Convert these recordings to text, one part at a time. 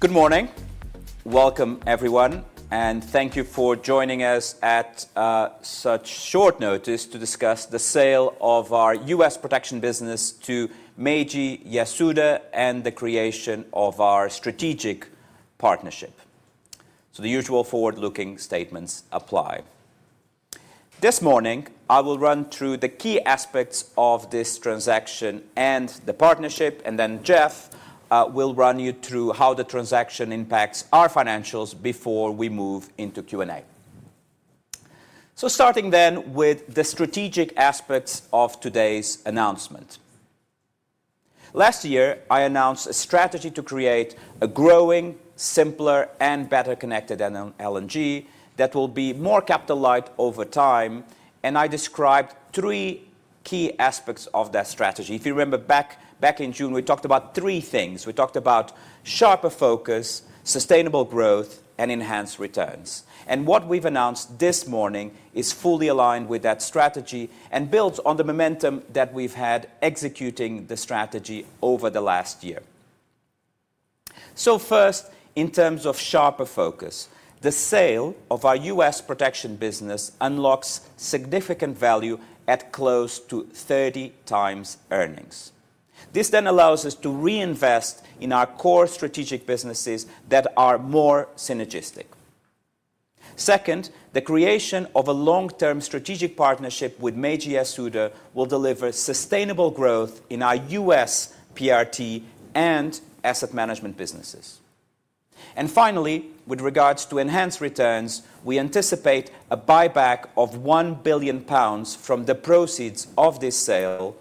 Good morning. Welcome, everyone, and thank you for joining us at such short notice to discuss the sale of our U.S. protection business to Meiji Yasuda and the creation of our strategic partnership, so the usual forward-looking statements apply. This morning, I will run through the key aspects of this transaction and the partnership, and then Jeff will run you through how the transaction impacts our financials before we move into Q&A, so starting then with the strategic aspects of today's announcement. Last year, I announced a strategy to create a growing, simpler, and better connected L&G that will be more capital-light over time, and I described three key aspects of that strategy. If you remember, back in June, we talked about three things. We talked about sharper focus, sustainable growth, and enhanced returns. What we've announced this morning is fully aligned with that strategy and builds on the momentum that we've had executing the strategy over the last year. So first, in terms of sharper focus, the sale of our U.S. protection business unlocks significant value at close to 30 times earnings. This then allows us to reinvest in our core strategic businesses that are more synergistic. Second, the creation of a long-term strategic partnership with Meiji Yasuda will deliver sustainable growth in our U.S. PRT and asset management businesses. And finally, with regards to enhanced returns, we anticipate a buyback of 1 billion pounds from the proceeds of this sale,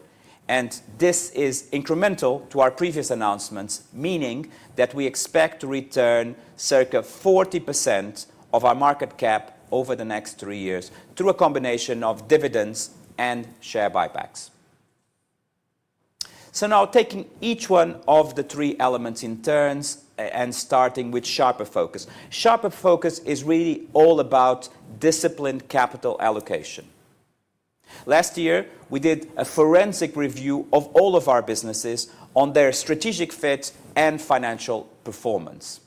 and this is incremental to our previous announcements, meaning that we expect to return circa 40% of our market cap over the next three years through a combination of dividends and share buybacks. Now, taking each one of the three elements in turns and starting with sharper focus. Sharper focus is really all about disciplined capital allocation. Last year, we did a forensic review of all of our businesses on their strategic fit and financial performance.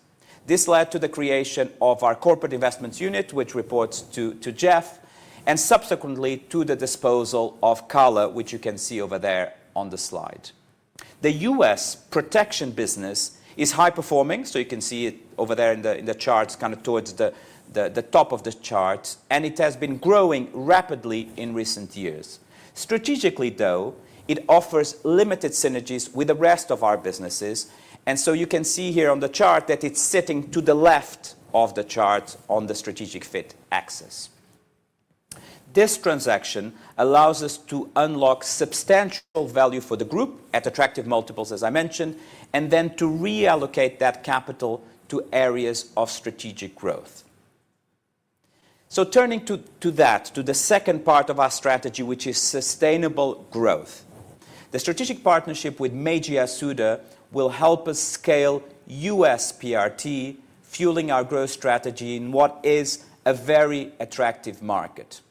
This led to the creation of our corporate investments unit, which reports to Jeff, and subsequently to the disposal of Cala, which you can see over there on the slide. The U.S. protection business is high-performing, so you can see it over there in the charts, kind of towards the top of the chart, and it has been growing rapidly in recent years. Strategically, though, it offers limited synergies with the rest of our businesses, and so you can see here on the chart that it's sitting to the left of the chart on the strategic fit axis. This transaction allows us to unlock substantial value for the group at attractive multiples, as I mentioned, and then to reallocate that capital to areas of strategic growth. So turning to that, to the second part of our strategy, which is sustainable growth. The strategic partnership with Meiji Yasuda will help us scale U.S. PRT, fueling our growth strategy in what is a very attractive market.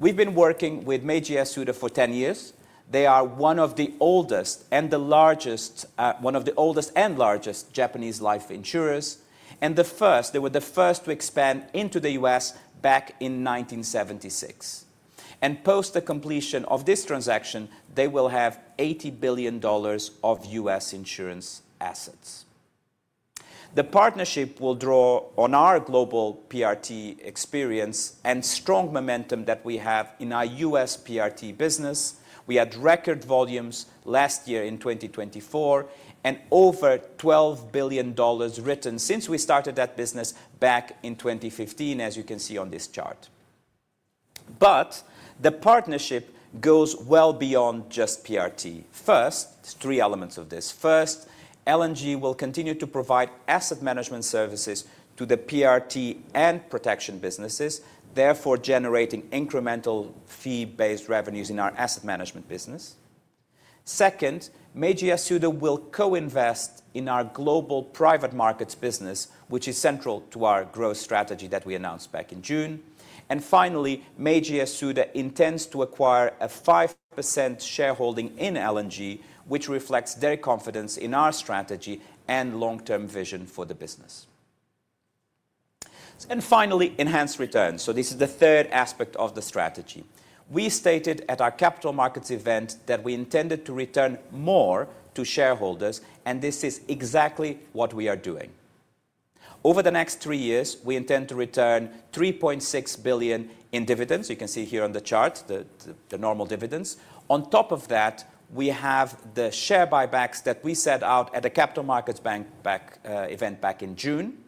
We've been working with Meiji Yasuda for 10 years. They are one of the oldest and largest Japanese life insurers, and they were the first to expand into the U.S. back in 1976, and post the completion of this transaction, they will have $80 billion of U.S. insurance assets. The partnership will draw on our global PRT experience and strong momentum that we have in our U.S. PRT business. We had record volumes last year in 2024 and over $12 billion written since we started that business back in 2015, as you can see on this chart. But the partnership goes well beyond just PRT. First, three elements of this. First, L&G will continue to provide asset management services to the PRT and protection businesses, therefore generating incremental fee-based revenues in our asset management business. Second, Meiji Yasuda will co-invest in our global private markets business, which is central to our growth strategy that we announced back in June. And finally, Meiji Yasuda intends to acquire a 5% shareholding in L&G, which reflects their confidence in our strategy and long-term vision for the business. And finally, enhanced returns. So this is the third aspect of the strategy. We stated at our capital markets event that we intended to return more to shareholders, and this is exactly what we are doing. Over the next three years, we intend to return $3.6 billion in dividends. You can see here on the chart, the normal dividends. On top of that, we have the share buybacks that we set out at the capital markets day event back in June.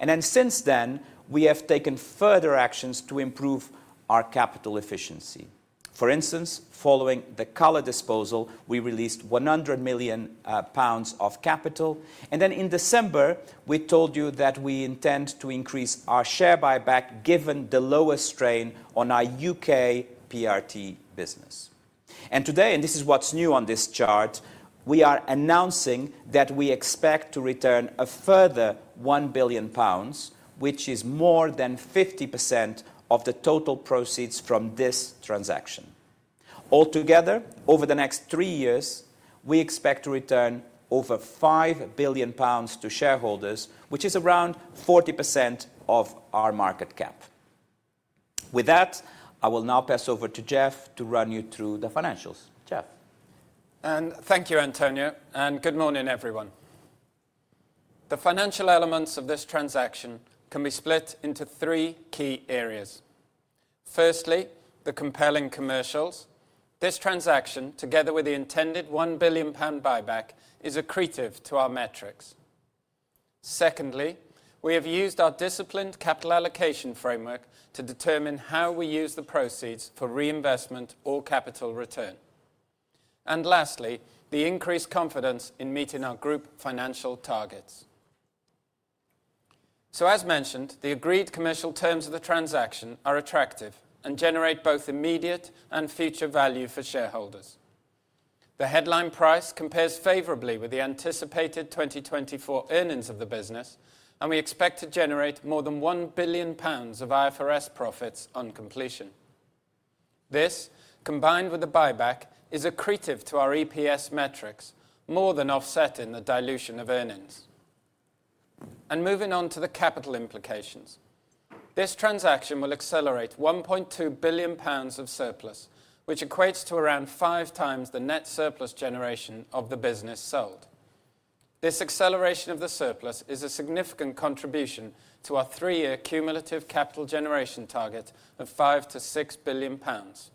And then since then, we have taken further actions to improve our capital efficiency. For instance, following the Cala disposal, we released 100 million pounds of capital. And then in December, we told you that we intend to increase our share buyback given the lower strain on our U.K. PRT business. And today, and this is what's new on this chart, we are announcing that we expect to return a further 1 billion pounds, which is more than 50% of the total proceeds from this transaction. Altogether, over the next three years, we expect to return over 5 billion pounds to shareholders, which is around 40% of our market cap. With that, I will now pass over to Jeff to run you through the financials. Jeff. Thank you, António, and good morning, everyone. The financial elements of this transaction can be split into three key areas. Firstly, the compelling commercials. This transaction, together with the intended 1 billion pound buyback, is accretive to our metrics. Secondly, we have used our disciplined capital allocation framework to determine how we use the proceeds for reinvestment or capital return. And lastly, the increased confidence in meeting our group financial targets. As mentioned, the agreed commercial terms of the transaction are attractive and generate both immediate and future value for shareholders. The headline price compares favorably with the anticipated 2024 earnings of the business, and we expect to generate more than 1 billion pounds of IFRS profits on completion. This, combined with the buyback, is accretive to our EPS metrics, more than offsetting the dilution of earnings. Moving on to the capital implications. This transaction will accelerate 1.2 billion pounds of surplus, which equates to around five times the net surplus generation of the business sold. This acceleration of the surplus is a significant contribution to our three-year cumulative capital generation target of 5-6 billion pounds.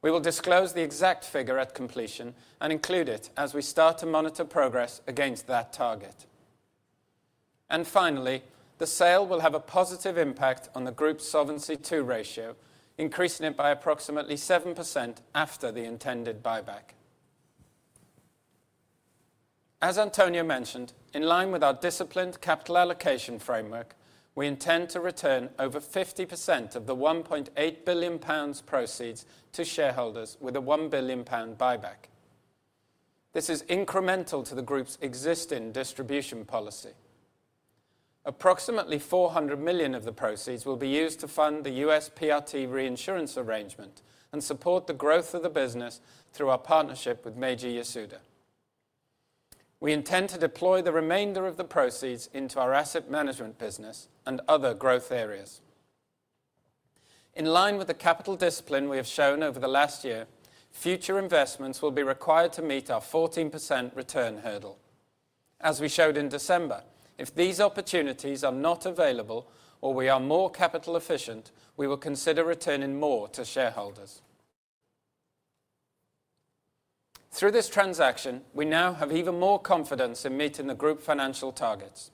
We will disclose the exact figure at completion and include it as we start to monitor progress against that target. Finally, the sale will have a positive impact on the group's Solvency II ratio, increasing it by approximately 7% after the intended buyback. As António mentioned, in line with our disciplined capital allocation framework, we intend to return over 50% of the 1.8 billion pounds proceeds to shareholders with a 1 billion pound buyback. This is incremental to the group's existing distribution policy. Approximately 400 million of the proceeds will be used to fund the U.S. PRT reinsurance arrangement and support the growth of the business through our partnership with Meiji Yasuda. We intend to deploy the remainder of the proceeds into our asset management business and other growth areas. In line with the capital discipline we have shown over the last year, future investments will be required to meet our 14% return hurdle. As we showed in December, if these opportunities are not available or we are more capital efficient, we will consider returning more to shareholders. Through this transaction, we now have even more confidence in meeting the group financial targets.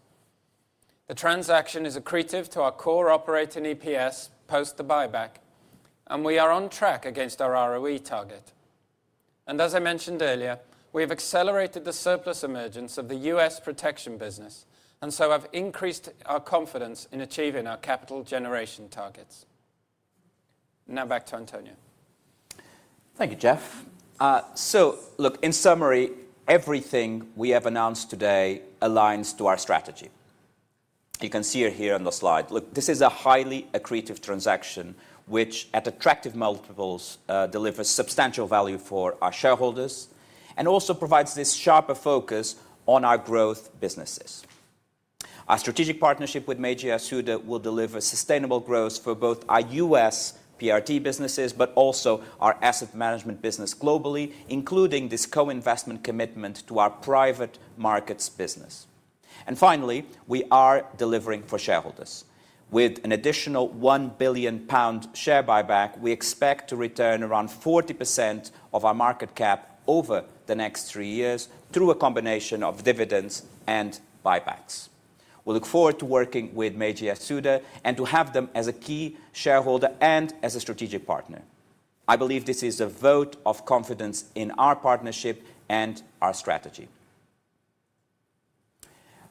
The transaction is accretive to our core operating EPS post the buyback, and we are on track against our ROE target, and as I mentioned earlier, we have accelerated the surplus emergence of the U.S. protection business, and so have increased our confidence in achieving our capital generation targets. Now back to António. Thank you, Jeff. So look, in summary, everything we have announced today aligns to our strategy. You can see it here on the slide. Look, this is a highly accretive transaction, which at attractive multiples delivers substantial value for our shareholders and also provides this sharper focus on our growth businesses. Our strategic partnership with Meiji Yasuda will deliver sustainable growth for both our U.S. PRT businesses, but also our asset management business globally, including this co-investment commitment to our private markets business. And finally, we are delivering for shareholders. With an additional 1 billion pound share buyback, we expect to return around 40% of our market cap over the next three years through a combination of dividends and buybacks. We look forward to working with Meiji Yasuda and to have them as a key shareholder and as a strategic partner. I believe this is a vote of confidence in our partnership and our strategy.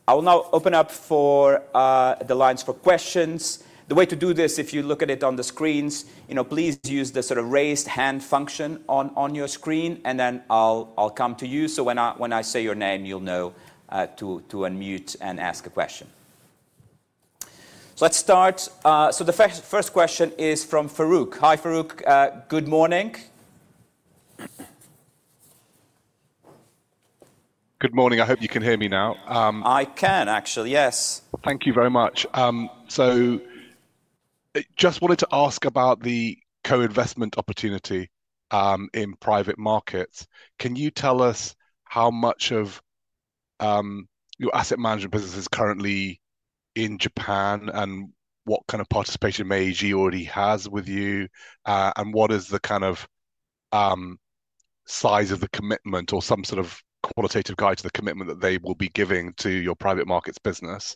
I will now open up for the lines for questions. The way to do this, if you look at it on the screens, please use the sort of raised hand function on your screen, and then I'll come to you. So when I say your name, you'll know to unmute and ask a question. So let's start. So the first question is from Farooq. Hi, Farooq. Good morning. Good morning. I hope you can hear me now. I can, actually. Yes. Thank you very much. So just wanted to ask about the co-investment opportunity in private markets. Can you tell us how much of your asset management business is currently in Japan and what kind of participation Meiji already has with you, and what is the kind of size of the commitment or some sort of qualitative guide to the commitment that they will be giving to your private markets business?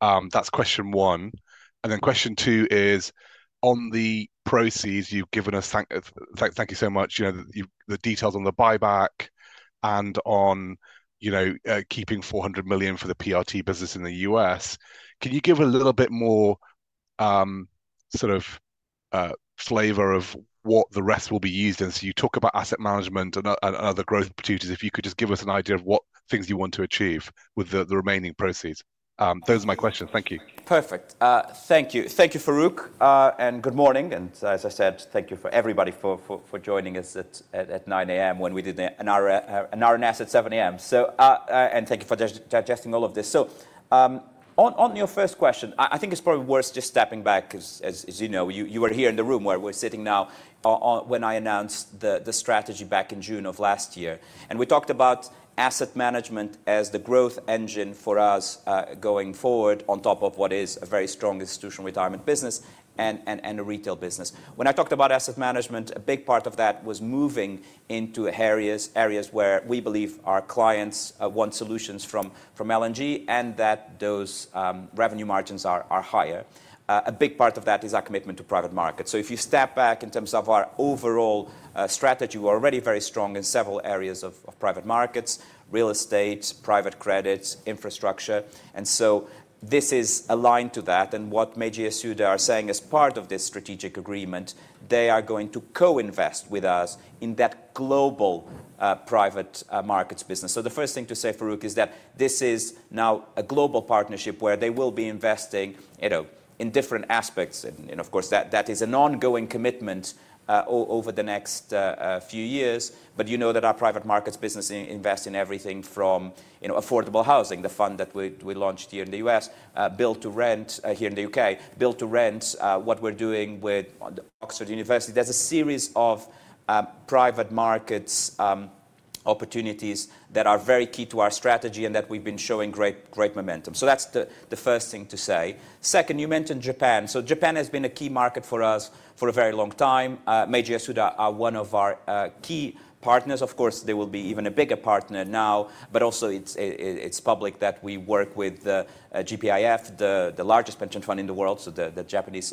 That's question one. And then question two is, on the proceeds you've given us, thank you so much, the details on the buyback and on keeping 400 million for the PRT business in the U.S., can you give a little bit more sort of flavor of what the rest will be used in? So you talk about asset management and other growth opportunities. If you could just give us an idea of what things you want to achieve with the remaining proceeds? Those are my questions. Thank you. Perfect. Thank you. Thank you, Farooq, and good morning. As I said, thank you for everybody for joining us at 9:00 A.M. when we did an hour and a half at 7:00 A.M. Thank you for digesting all of this. On your first question, I think it's probably worth just stepping back, as you know, you were here in the room where we're sitting now when I announced the strategy back in June of last year. We talked about asset management as the growth engine for us going forward on top of what is a very strong institutional retirement business and a retail business. When I talked about asset management, a big part of that was moving into areas where we believe our clients want solutions from L&G and that those revenue margins are higher. A big part of that is our commitment to private markets. So if you step back in terms of our overall strategy, we're already very strong in several areas of private markets, real estate, private credits, infrastructure. And so this is aligned to that. And what Meiji Yasuda are saying as part of this strategic agreement, they are going to co-invest with us in that global private markets business. So the first thing to say, Farooq, is that this is now a global partnership where they will be investing in different aspects. And of course, that is an ongoing commitment over the next few years. But you know that our private markets business invests in everything from affordable housing, the fund that we launched here in the U.S., Build to Rent here in the U.K., Build to Rent, what we're doing with Oxford University. There's a series of private markets opportunities that are very key to our strategy and that we've been showing great momentum, so that's the first thing to say. Second, you mentioned Japan, so Japan has been a key market for us for a very long time. Meiji Yasuda are one of our key partners. Of course, they will be even a bigger partner now, but also it's public that we work with GPIF, the largest pension fund in the world, so the Japanese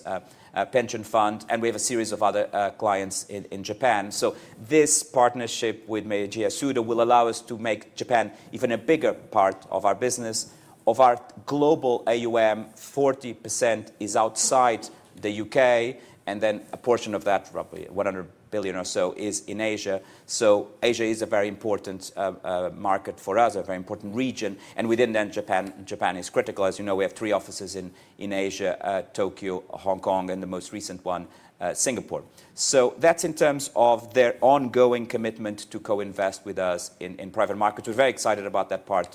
pension fund. And we have a series of other clients in Japan, so this partnership with Meiji Yasuda will allow us to make Japan even a bigger part of our business. Of our global AUM, 40% is outside the U.K., and then a portion of that, roughly 100 billion or so, is in Asia, so Asia is a very important market for us, a very important region. Within that, Japan is critical. As you know, we have three offices in Asia: Tokyo, Hong Kong, and the most recent one, Singapore. So that's in terms of their ongoing commitment to co-invest with us in private markets. We're very excited about that part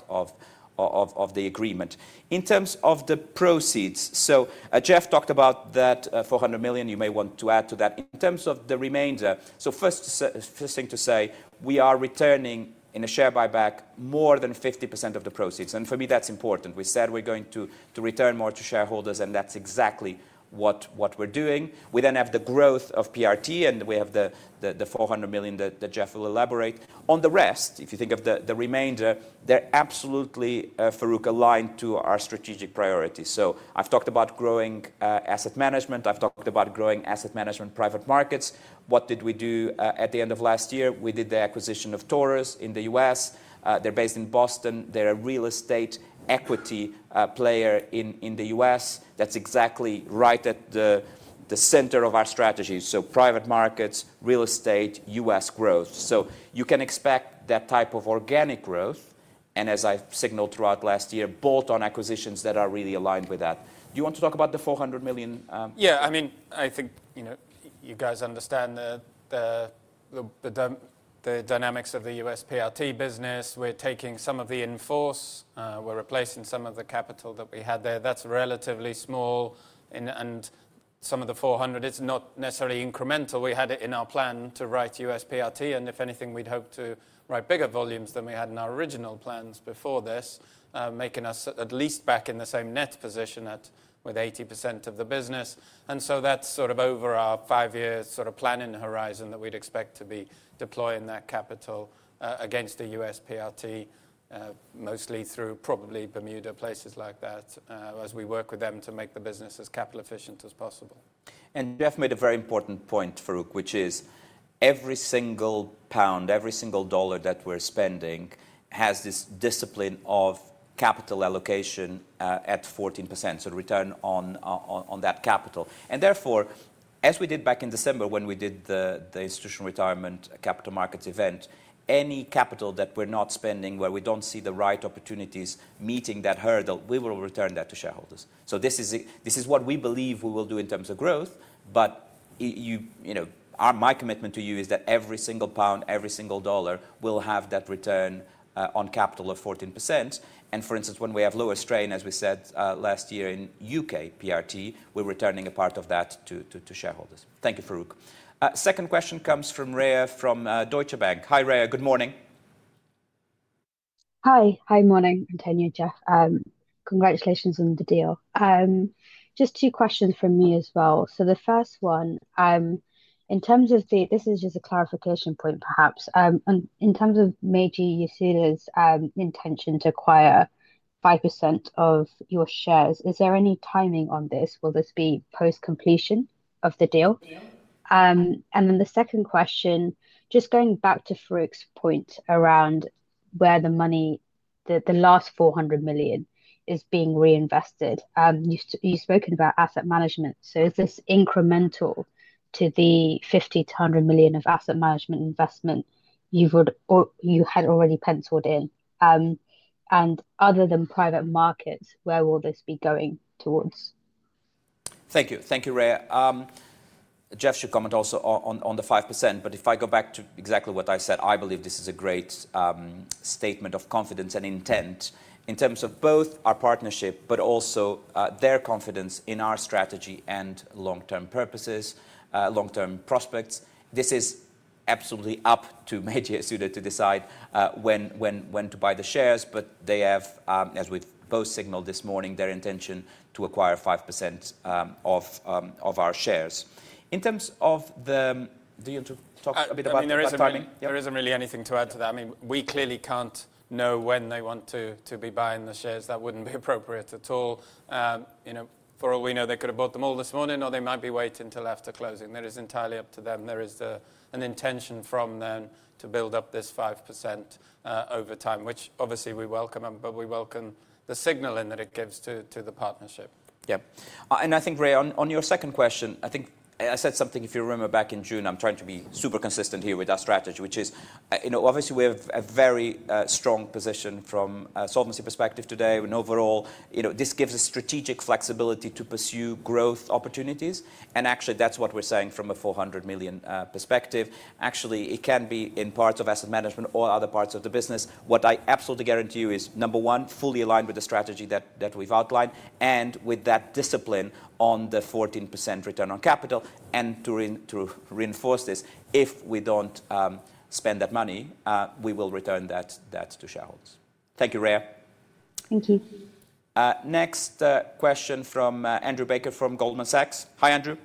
of the agreement. In terms of the proceeds, so Jeff talked about that 400 million. You may want to add to that. In terms of the remainder, so first thing to say, we are returning in a share buyback more than 50% of the proceeds. And for me, that's important. We said we're going to return more to shareholders, and that's exactly what we're doing. We then have the growth of PRT, and we have the 400 million that Jeff will elaborate. On the rest, if you think of the remainder, they're absolutely, Farooq, aligned to our strategic priorities. So I've talked about growing asset management. I've talked about growing asset management private markets. What did we do at the end of last year? We did the acquisition of Taurus in the U.S. They're based in Boston. They're a real estate equity player in the U.S. That's exactly right at the center of our strategy. So private markets, real estate, U.S. growth. So you can expect that type of organic growth, and as I've signaled throughout last year, built on acquisitions that are really aligned with that. Do you want to talk about the 400 million? Yeah. I mean, I think you guys understand the dynamics of the U.S. PRT business. We're taking some of the in force. We're replacing some of the capital that we had there. That's relatively small. And some of the 400, it's not necessarily incremental. We had it in our plan to write U.S. PRT, and if anything, we'd hope to write bigger volumes than we had in our original plans before this, making us at least back in the same net position with 80% of the business. And so that's sort of over our five-year sort of planning horizon that we'd expect to be deploying that capital against the U.S. PRT, mostly through probably Bermuda, places like that, as we work with them to make the business as capital efficient as possible. Jeff made a very important point, Farooq, which is every single pound, every single dollar that we're spending has this discipline of capital allocation at 14%, so return on that capital. And therefore, as we did back in December when we did the institutional retirement capital markets event, any capital that we're not spending where we don't see the right opportunities meeting that hurdle, we will return that to shareholders. So this is what we believe we will do in terms of growth. But my commitment to you is that every single pound, every single dollar will have that return on capital of 14%. And for instance, when we have lower strain, as we said last year in U.K. PRT, we're returning a part of that to shareholders. Thank you, Farooq. Second question comes from Rhea from Deutsche Bank. Hi, Rhea. Good morning. Hi. Hi, morning, António, Jeff. Congratulations on the deal. Just two questions from me as well. The first one, in terms of the, this is just a clarification point, perhaps, in terms of Meiji Yasuda's intention to acquire 5% of your shares, is there any timing on this? Will this be post-completion of the deal? And then the second question, just going back to Farooq's point around where the money, the last 400 million, is being reinvested. You've spoken about asset management. Is this incremental to the 50 million-100 million of asset management investment you had already penciled in? And other than private markets, where will this be going towards? Thank you. Thank you, Rhea. Jeff should comment also on the 5%. But if I go back to exactly what I said, I believe this is a great statement of confidence and intent in terms of both our partnership, but also their confidence in our strategy and long-term prospects. This is absolutely up to Meiji Yasuda to decide when to buy the shares. But they have, as we've both signaled this morning, their intention to acquire 5% of our shares. In terms of the, do you want to talk a bit about timing? There isn't really anything to add to that. I mean, we clearly can't know when they want to be buying the shares. That wouldn't be appropriate at all. For all we know, they could have bought them all this morning, or they might be waiting until after closing. That is entirely up to them. There is an intention from them to build up this 5% over time, which obviously we welcome, but we welcome the signaling that it gives to the partnership. Yeah. And I think, Rhea, on your second question, I think I said something, if you remember, back in June, I'm trying to be super consistent here with our strategy, which is obviously we have a very strong position from a solvency perspective today. And overall, this gives us strategic flexibility to pursue growth opportunities. And actually, that's what we're saying from a 400 million perspective. Actually, it can be in parts of asset management or other parts of the business. What I absolutely guarantee you is, number one, fully aligned with the strategy that we've outlined and with that discipline on the 14% return on capital. And to reinforce this, if we don't spend that money, we will return that to shareholders. Thank you, Rhea. Thank you. Next question from Andrew Baker from Goldman Sachs. Hi, Andrew.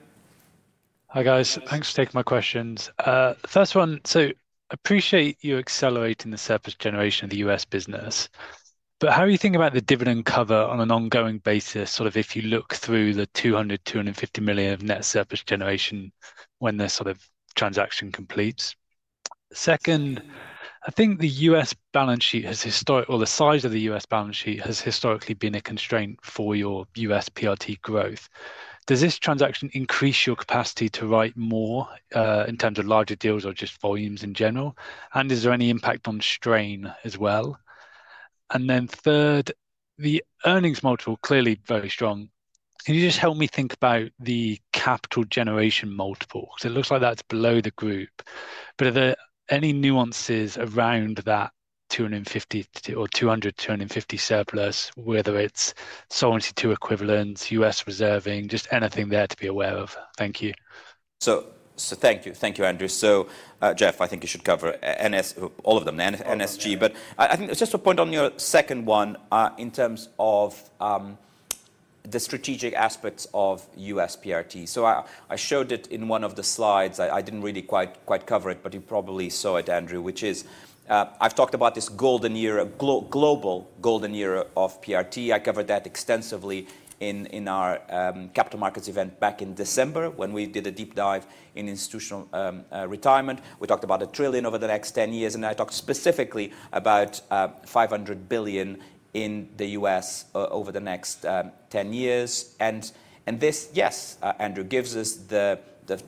Hi, guys. Thanks for taking my questions. First one, so I appreciate you accelerating the surplus generation of the U.S. business, but how do you think about the dividend cover on an ongoing basis, sort of if you look through the 200 million-250 million of net surplus generation when the sort of transaction completes? Second, I think the U.S. balance sheet has historically, or the size of the U.S. balance sheet has historically been a constraint for your U.S. PRT growth. Does this transaction increase your capacity to write more in terms of larger deals or just volumes in general? And is there any impact on strain as well? And then third, the earnings multiple is clearly very strong. Can you just help me think about the capital generation multiple? Because it looks like that's below the group. But are there any nuances around that 200, 250 surplus, whether it's Solvency II equivalents, U.S. reserving, just anything there to be aware of? Thank you. So thank you. Thank you, Andrew. So Jeff, I think you should cover all of them, NSG. But I think just to point on your second one in terms of the strategic aspects of U.S. PRT. So I showed it in one of the slides. I didn't really quite cover it, but you probably saw it, Andrew, which is I've talked about this golden era, global golden era of PRT. I covered that extensively in our capital markets event back in December when we did a deep dive in institutional retirement. We talked about $1 trillion over the next 10 years. And I talked specifically about $500 billion in the U.S. over the next 10 years. And this, yes, Andrew, gives us the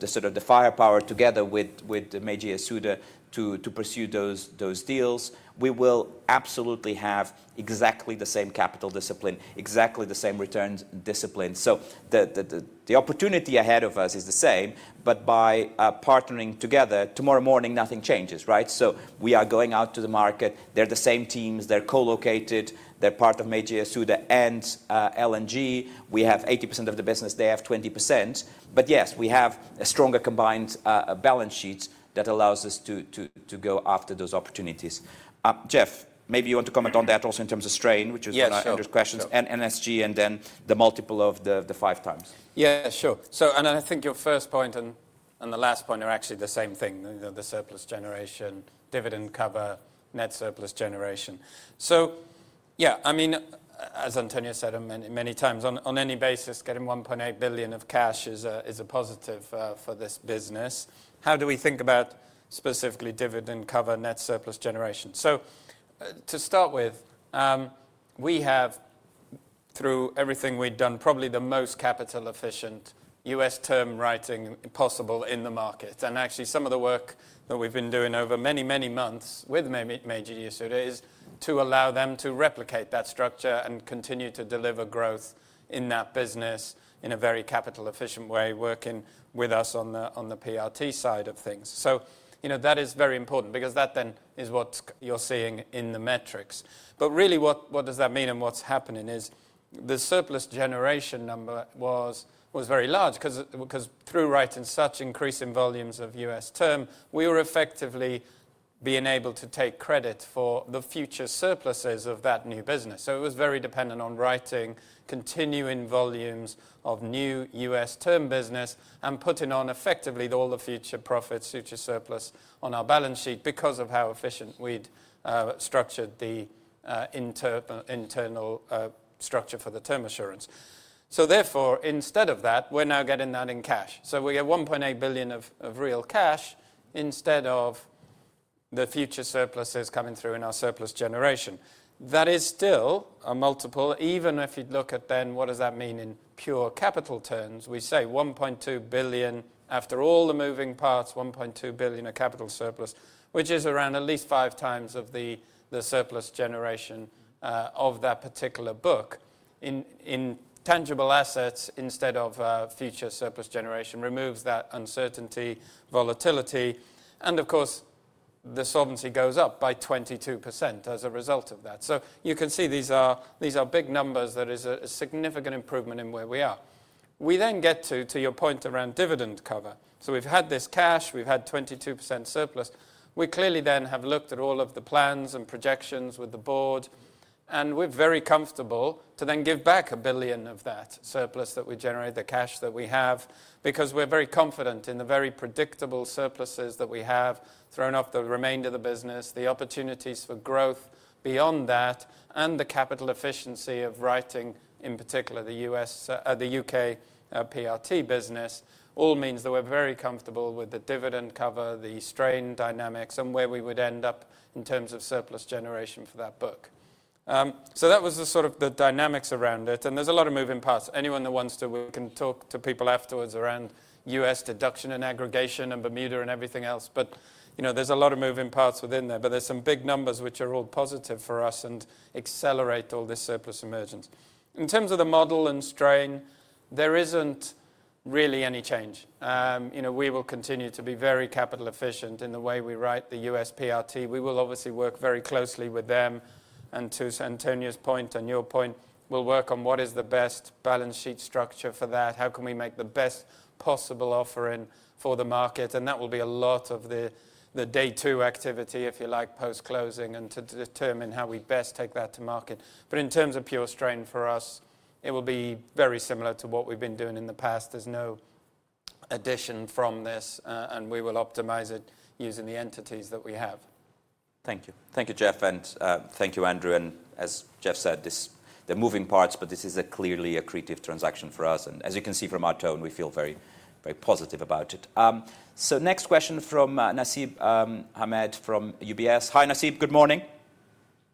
sort of firepower together with Meiji Yasuda to pursue those deals. We will absolutely have exactly the same capital discipline, exactly the same return discipline. So the opportunity ahead of us is the same. But by partnering together, tomorrow morning, nothing changes, right? So we are going out to the market. They're the same teams. They're co-located. They're part of Meiji Yasuda and L&G. We have 80% of the business. They have 20%. But yes, we have a stronger combined balance sheet that allows us to go after those opportunities. Jeff, maybe you want to comment on that also in terms of strain, which was one of Andrew's questions, and NSG, and then the multiple of the five times. Yeah, sure. And I think your first point and the last point are actually the same thing, the surplus generation, dividend cover, net surplus generation. So yeah, I mean, as António said many times, on any basis, getting 1.8 billion of cash is a positive for this business. How do we think about specifically dividend cover, net surplus generation? So to start with, we have, through everything we've done, probably the most capital efficient U.S. term writing possible in the market. And actually, some of the work that we've been doing over many, many months with Meiji Yasuda is to allow them to replicate that structure and continue to deliver growth in that business in a very capital efficient way, working with us on the PRT side of things. So that is very important because that then is what you're seeing in the metrics. But really, what does that mean and what's happening is the surplus generation number was very large because through writing such increasing volumes of U.S. term, we were effectively being able to take credit for the future surpluses of that new business. So it was very dependent on writing continuing volumes of new U.S. term business and putting on effectively all the future profits, future surplus on our balance sheet because of how efficient we'd structured the internal structure for the term assurance. So therefore, instead of that, we're now getting that in cash. So we get 1.8 billion of real cash instead of the future surpluses coming through in our surplus generation. That is still a multiple. Even if you look at then, what does that mean in pure capital terms? We say 1.2 billion after all the moving parts, 1.2 billion of capital surplus, which is around at least five times of the surplus generation of that particular book. In tangible assets, instead of future surplus generation, removes that uncertainty, volatility. And of course, the solvency goes up by 22% as a result of that. So you can see these are big numbers. There is a significant improvement in where we are. We then get to, to your point around dividend cover. So we've had this cash. We've had 22% surplus. We clearly then have looked at all of the plans and projections with the board. We're very comfortable to then give back 1 billion of that surplus that we generate, the cash that we have, because we're very confident in the very predictable surpluses that we have, thrown off the remainder of the business, the opportunities for growth beyond that, and the capital efficiency of writing, in particular, the U.K. PRT business. All means that we're very comfortable with the dividend cover, the strain dynamics, and where we would end up in terms of surplus generation for that book. That was the sort of dynamics around it. There's a lot of moving parts. Anyone that wants to, we can talk to people afterwards around U.S. deduction and aggregation and Bermuda and everything else. There's a lot of moving parts within there. There's some big numbers which are all positive for us and accelerate all this surplus emergence. In terms of the model and strain, there isn't really any change. We will continue to be very capital efficient in the way we write the U.S. PRT. We will obviously work very closely with them. And to António's point and your point, we'll work on what is the best balance sheet structure for that, how can we make the best possible offering for the market. And that will be a lot of the day two activity, if you like, post-closing, and to determine how we best take that to market. But in terms of pure strain for us, it will be very similar to what we've been doing in the past. There's no addition from this. And we will optimize it using the entities that we have. Thank you. Thank you, Jeff. And thank you, Andrew. And as Jeff said, there are moving parts, but this is clearly a creative transaction for us. And as you can see from our tone, we feel very, very positive about it. So next question from Nasib Ahmed from UBS. Hi, Nasib. Good morning.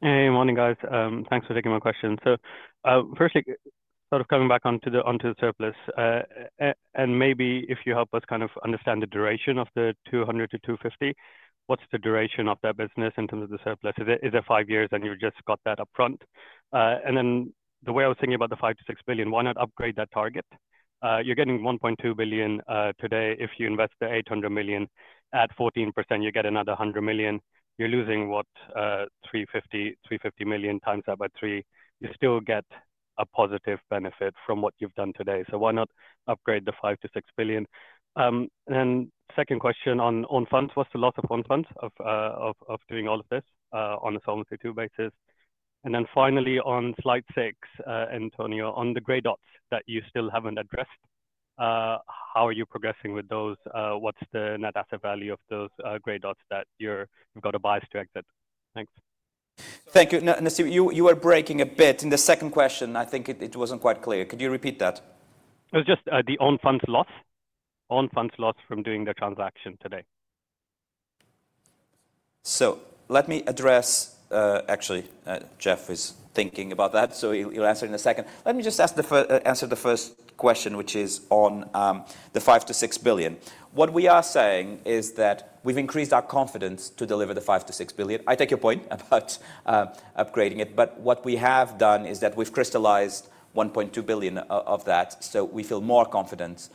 Hey, morning, guys. Thanks for taking my question. So firstly, sort of coming back onto the surplus, and maybe if you help us kind of understand the duration of the 200-250, what's the duration of that business in terms of the surplus? Is it five years and you've just got that upfront? And then the way I was thinking about the 5-6 billion, why not upgrade that target? You're getting 1.2 billion today. If you invest the 800 million at 14%, you get another 100 million. You're losing what, 350 million times that by three. You still get a positive benefit from what you've done today. So why not upgrade the 5-6 billion? And then second question on funds, what's the loss of funds of doing all of this on a Solvency II basis? And then finally, on slide six, António, on the gray dots that you still haven't addressed, how are you progressing with those? What's the net asset value of those gray dots that you've got a bias to exit? Thanks. Thank you. Nasib, you were breaking a bit in the second question. I think it wasn't quite clear. Could you repeat that? It was just the Own Funds loss from doing the transaction today. So let me address. Actually, Jeff is thinking about that. So he'll answer in a second. Let me just answer the first question, which is on the 5-6 billion. What we are saying is that we've increased our confidence to deliver the 5-6 billion. I take your point about upgrading it. But what we have done is that we've crystallized 1.2 billion of that. So we feel more confident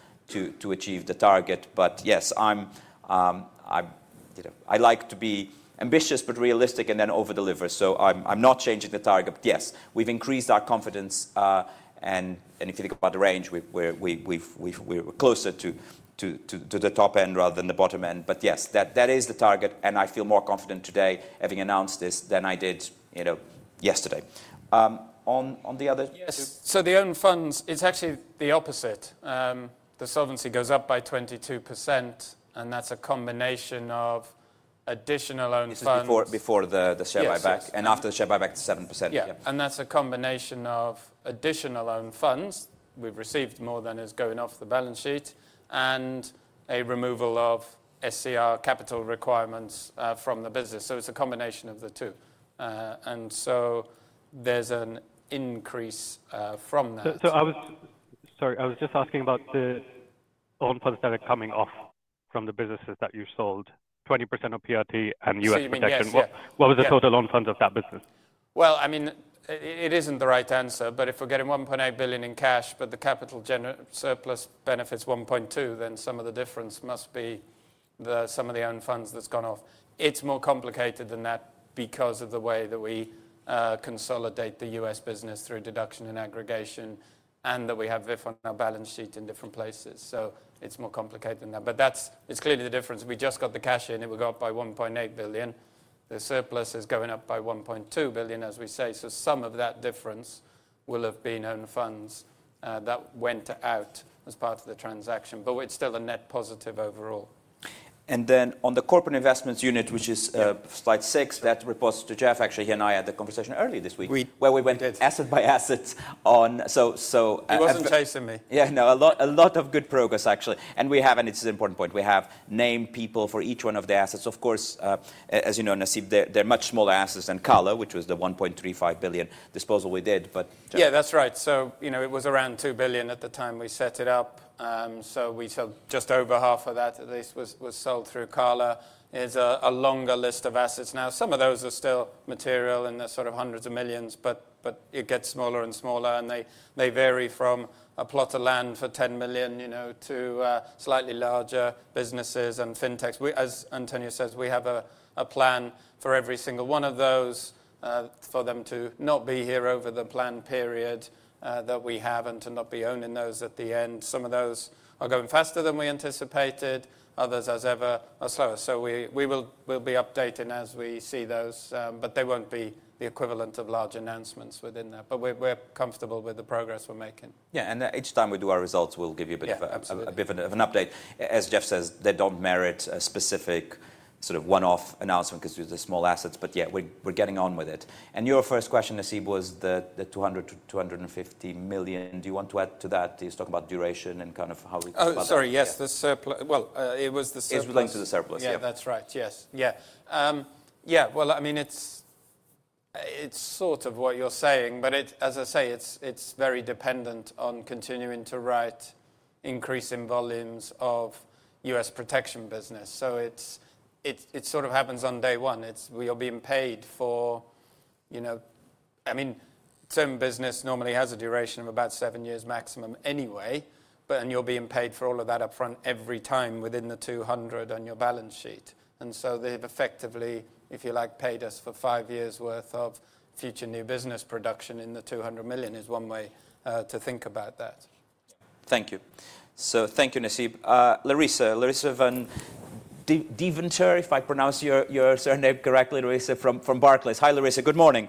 to achieve the target. But yes, I like to be ambitious but realistic and then overdeliver. So I'm not changing the target. But yes, we've increased our confidence. And if you think about the range, we're closer to the top end rather than the bottom end. But yes, that is the target. And I feel more confident today, having announced this, than I did yesterday. On the other. Yes. So the Own Funds, it's actually the opposite. The solvency goes up by 22%. And that's a combination of additional Own Funds. Before the share buyback and after the share buyback, it's 7%. Yeah, and that's a combination of additional Own Funds. We've received more than is going off the balance sheet and a removal of SCR capital requirements from the business, so it's a combination of the two, and so there's an increase from that. Sorry, I was just asking about the Own Funds that are coming off from the businesses that you've sold, 20% of PRT and U.S. protection. What was the total Own Funds of that business? I mean, it isn't the right answer. But if we're getting 1.8 billion in cash, but the capital surplus benefit is 1.2 billion, then some of the difference must be some of the Own Funds that's gone off. It's more complicated than that because of the way that we consolidate the U.S. business through deduction and aggregation and that we have VIF on our balance sheet in different places. So it's more complicated than that. But it's clearly the difference. We just got the cash in. It was up by 1.8 billion. The surplus is going up by 1.2 billion, as we say. So some of that difference will have been Own Funds that went out as part of the transaction. But it's still a net positive overall. On the corporate investments unit, which is slide six, that reports to Jeff. Actually, he and I had the conversation earlier this week where we went asset by asset on. He wasn't chasing me. Yeah, no, a lot of good progress, actually, and we have, and this is an important point, we have named people for each one of the assets. Of course, as you know, Nasib, they're much smaller assets than Cala, which was the 1.35 billion disposal we did. Yeah, that's right. So it was around 2 billion at the time we set it up. So we sold just over half of that, at least, was sold through Cala. It's a longer list of assets now. Some of those are still material in the sort of hundreds of millions. But it gets smaller and smaller and they vary from a plot of land for 10 million to slightly larger businesses and fintechs. As António says, we have a plan for every single one of those for them to not be here over the planned period that we have and to not be owning those at the end. Some of those are going faster than we anticipated. Others, as ever, are slower so we will be updating as we see those. But they won't be the equivalent of large announcements within that. But we're comfortable with the progress we're making. Yeah. And each time we do our results, we'll give you a bit of an update. As Jeff says, they don't merit a specific sort of one-off announcement because these are small assets. But yeah, we're getting on with it. And your first question, Nasib, was the 200 million-250 million. Do you want to add to that? He was talking about duration and kind of how we think about it. Oh, sorry. Yes, well, it was the surplus. It was linked to the surplus. Yeah, that's right. Yes. Yeah. Yeah. Well, I mean, it's sort of what you're saying. But as I say, it's very dependent on continuing to write increasing volumes of U.S. protection business. So it sort of happens on day one. We are being paid for, I mean, term business normally has a duration of about seven years maximum anyway. And you're being paid for all of that upfront every time within the 200 on your balance sheet. And so they've effectively, if you like, paid us for five years' worth of future new business production in the 200 million is one way to think about that. Thank you. So thank you, Nasib. Larissa, Larissa van Deventer, if I pronounce your surname correctly, Larissa from Barclays. Hi, Larissa. Good morning.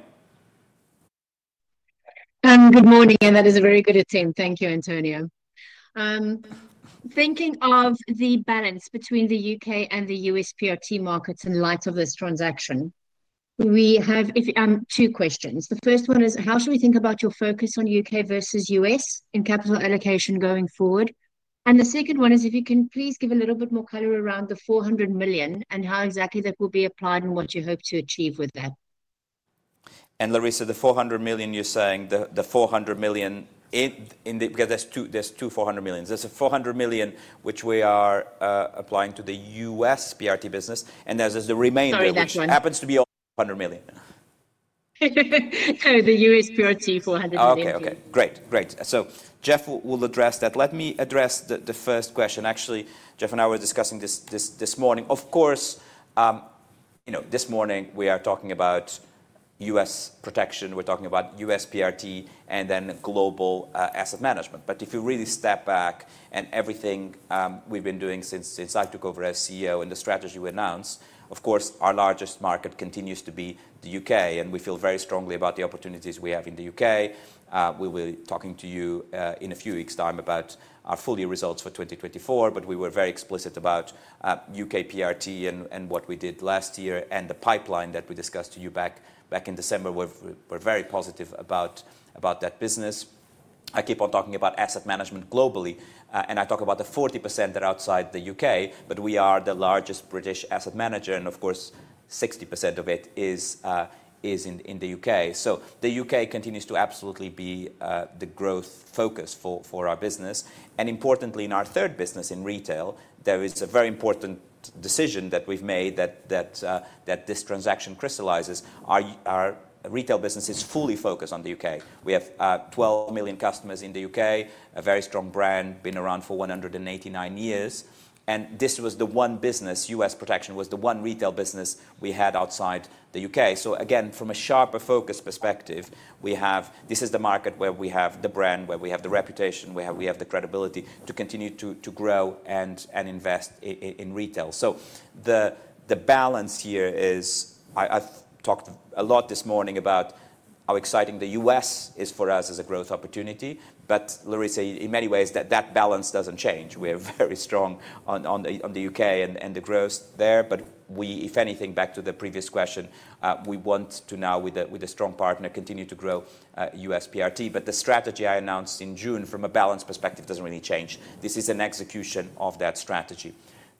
Good morning, and that is a very good point. Thank you, António. Thinking of the balance between the U.K. and the U.S. PRT markets in light of this transaction, we have two questions. The first one is, how should we think about your focus on U.K. versus U.S. in capital allocation going forward? And the second one is, if you can please give a little bit more color around the 400 million and how exactly that will be applied and what you hope to achieve with that. Larissa, the 400 million you're saying, the 400 million, there's two 400 millions. There's a 400 million, which we are applying to the U.S. PRT business. And there's the remainder, which happens to be 400 million. No, the U.S. PRT 400 million. Okay, okay. Great, great. So Jeff will address that. Let me address the first question. Actually, Jeff and I were discussing this morning. Of course, this morning, we are talking about U.S. protection. We're talking about U.S. PRT and then global asset management. But if you really step back and everything we've been doing since I took over as CEO and the strategy we announced, of course, our largest market continues to be the U.K. And we feel very strongly about the opportunities we have in the U.K. We will be talking to you in a few weeks' time about our full year results for 2024. But we were very explicit about U.K. PRT and what we did last year and the pipeline that we discussed to you back in December. We're very positive about that business. I keep on talking about asset management globally. And I talk about the 40% that are outside the U.K. But we are the largest British asset manager. And of course, 60% of it is in the U.K. So the U.K. continues to absolutely be the growth focus for our business. And importantly, in our third business, in retail, there is a very important decision that we've made that this transaction crystallizes. Our retail business is fully focused on the U.K. We have 12 million customers in the U.K., a very strong brand, been around for 189 years. And this was the one business, U.S. protection was the one retail business we had outside the U.K. So again, from a sharper focus perspective, this is the market where we have the brand, where we have the reputation, where we have the credibility to continue to grow and invest in retail. The balance here is I talked a lot this morning about how exciting the U.S. is for us as a growth opportunity. But Larissa, in many ways, that balance doesn't change. We are very strong on the U.K. and the growth there. But if anything, back to the previous question, we want to now, with a strong partner, continue to grow U.S. PRT. But the strategy I announced in June from a balance perspective doesn't really change. This is an execution of that strategy.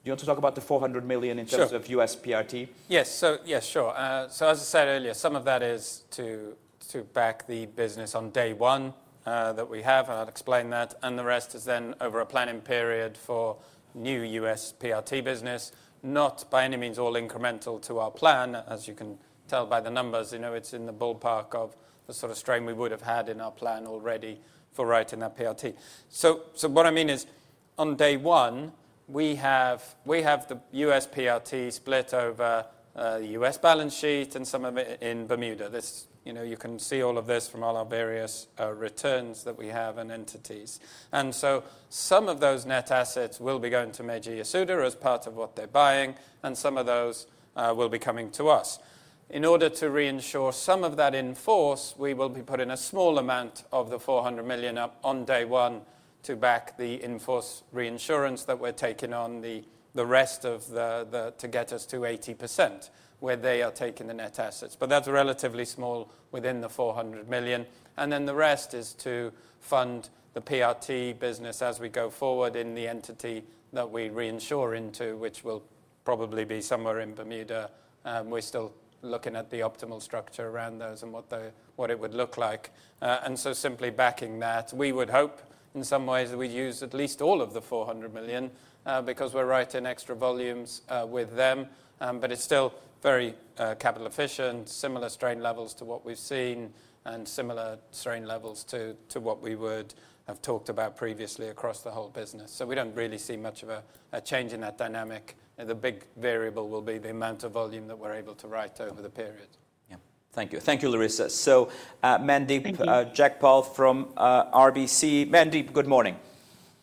Do you want to talk about the 400 million in terms of U.S. PRT? Yes. So yes, sure. So as I said earlier, some of that is to back the business on day one that we have. And I'll explain that. And the rest is then over a planning period for new U.S. PRT business, not by any means all incremental to our plan. As you can tell by the numbers, it's in the ballpark of the sort of strain we would have had in our plan already for writing that PRT. So what I mean is, on day one, we have the U.S. PRT split over the U.S. balance sheet and some of it in Bermuda. You can see all of this from all our various returns that we have and entities. And so some of those net assets will be going to Meiji Yasuda as part of what they're buying. And some of those will be coming to us. In order to reinsure some of that in force, we will be putting a small amount of the 400 million up on day one to back the in force reinsurance that we're taking on the rest of that to get us to 80%, where they are taking the net assets. But that's relatively small within the 400 million. And then the rest is to fund the PRT business as we go forward in the entity that we reinsure into, which will probably be somewhere in Bermuda. We're still looking at the optimal structure around those and what it would look like. And so simply backing that, we would hope in some ways that we use at least all of the 400 million because we're writing extra volumes with them. But it's still very capital efficient, similar strain levels to what we've seen, and similar strain levels to what we would have talked about previously across the whole business. So we don't really see much of a change in that dynamic. The big variable will be the amount of volume that we're able to write over the period. Yeah. Thank you. Thank you, Larissa. So Mandeep Jagpal from RBC. Mandeep, good morning.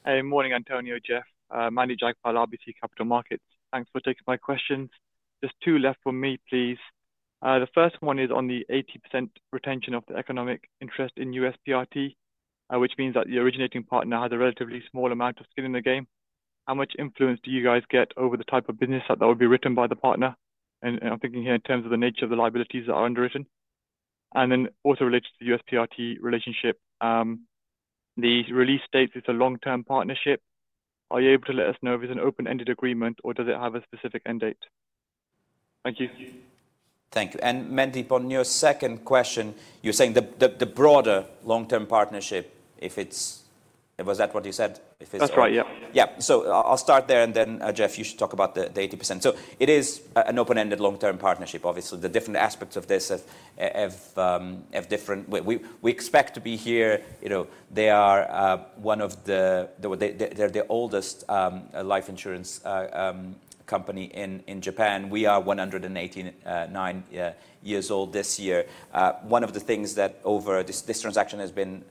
Hey, morning, António, Jeff. Mandeep Jagpal, RBC Capital Markets. Thanks for taking my questions. Just two left for me, please. The first one is on the 80% retention of the economic interest in U.S. PRT, which means that the originating partner has a relatively small amount of skin in the game. How much influence do you guys get over the type of business that will be written by the partner? And I'm thinking here in terms of the nature of the liabilities that are underwritten. And then also related to the U.S. PRT relationship, the release states it's a long-term partnership. Are you able to let us know if it's an open-ended agreement, or does it have a specific end date? Thank you. Thank you. And Mandeep, on your second question, you're saying the broader long-term partnership, if it's was that what you said? That's right, yeah. Yeah, so I'll start there. And then, Jeff, you should talk about the 80%. It is an open-ended long-term partnership. Obviously, the different aspects of this have different. We expect to be here. They are one of the. They're the oldest life insurance company in Japan. We are 189 years old this year. One of the things that, over this transaction, has been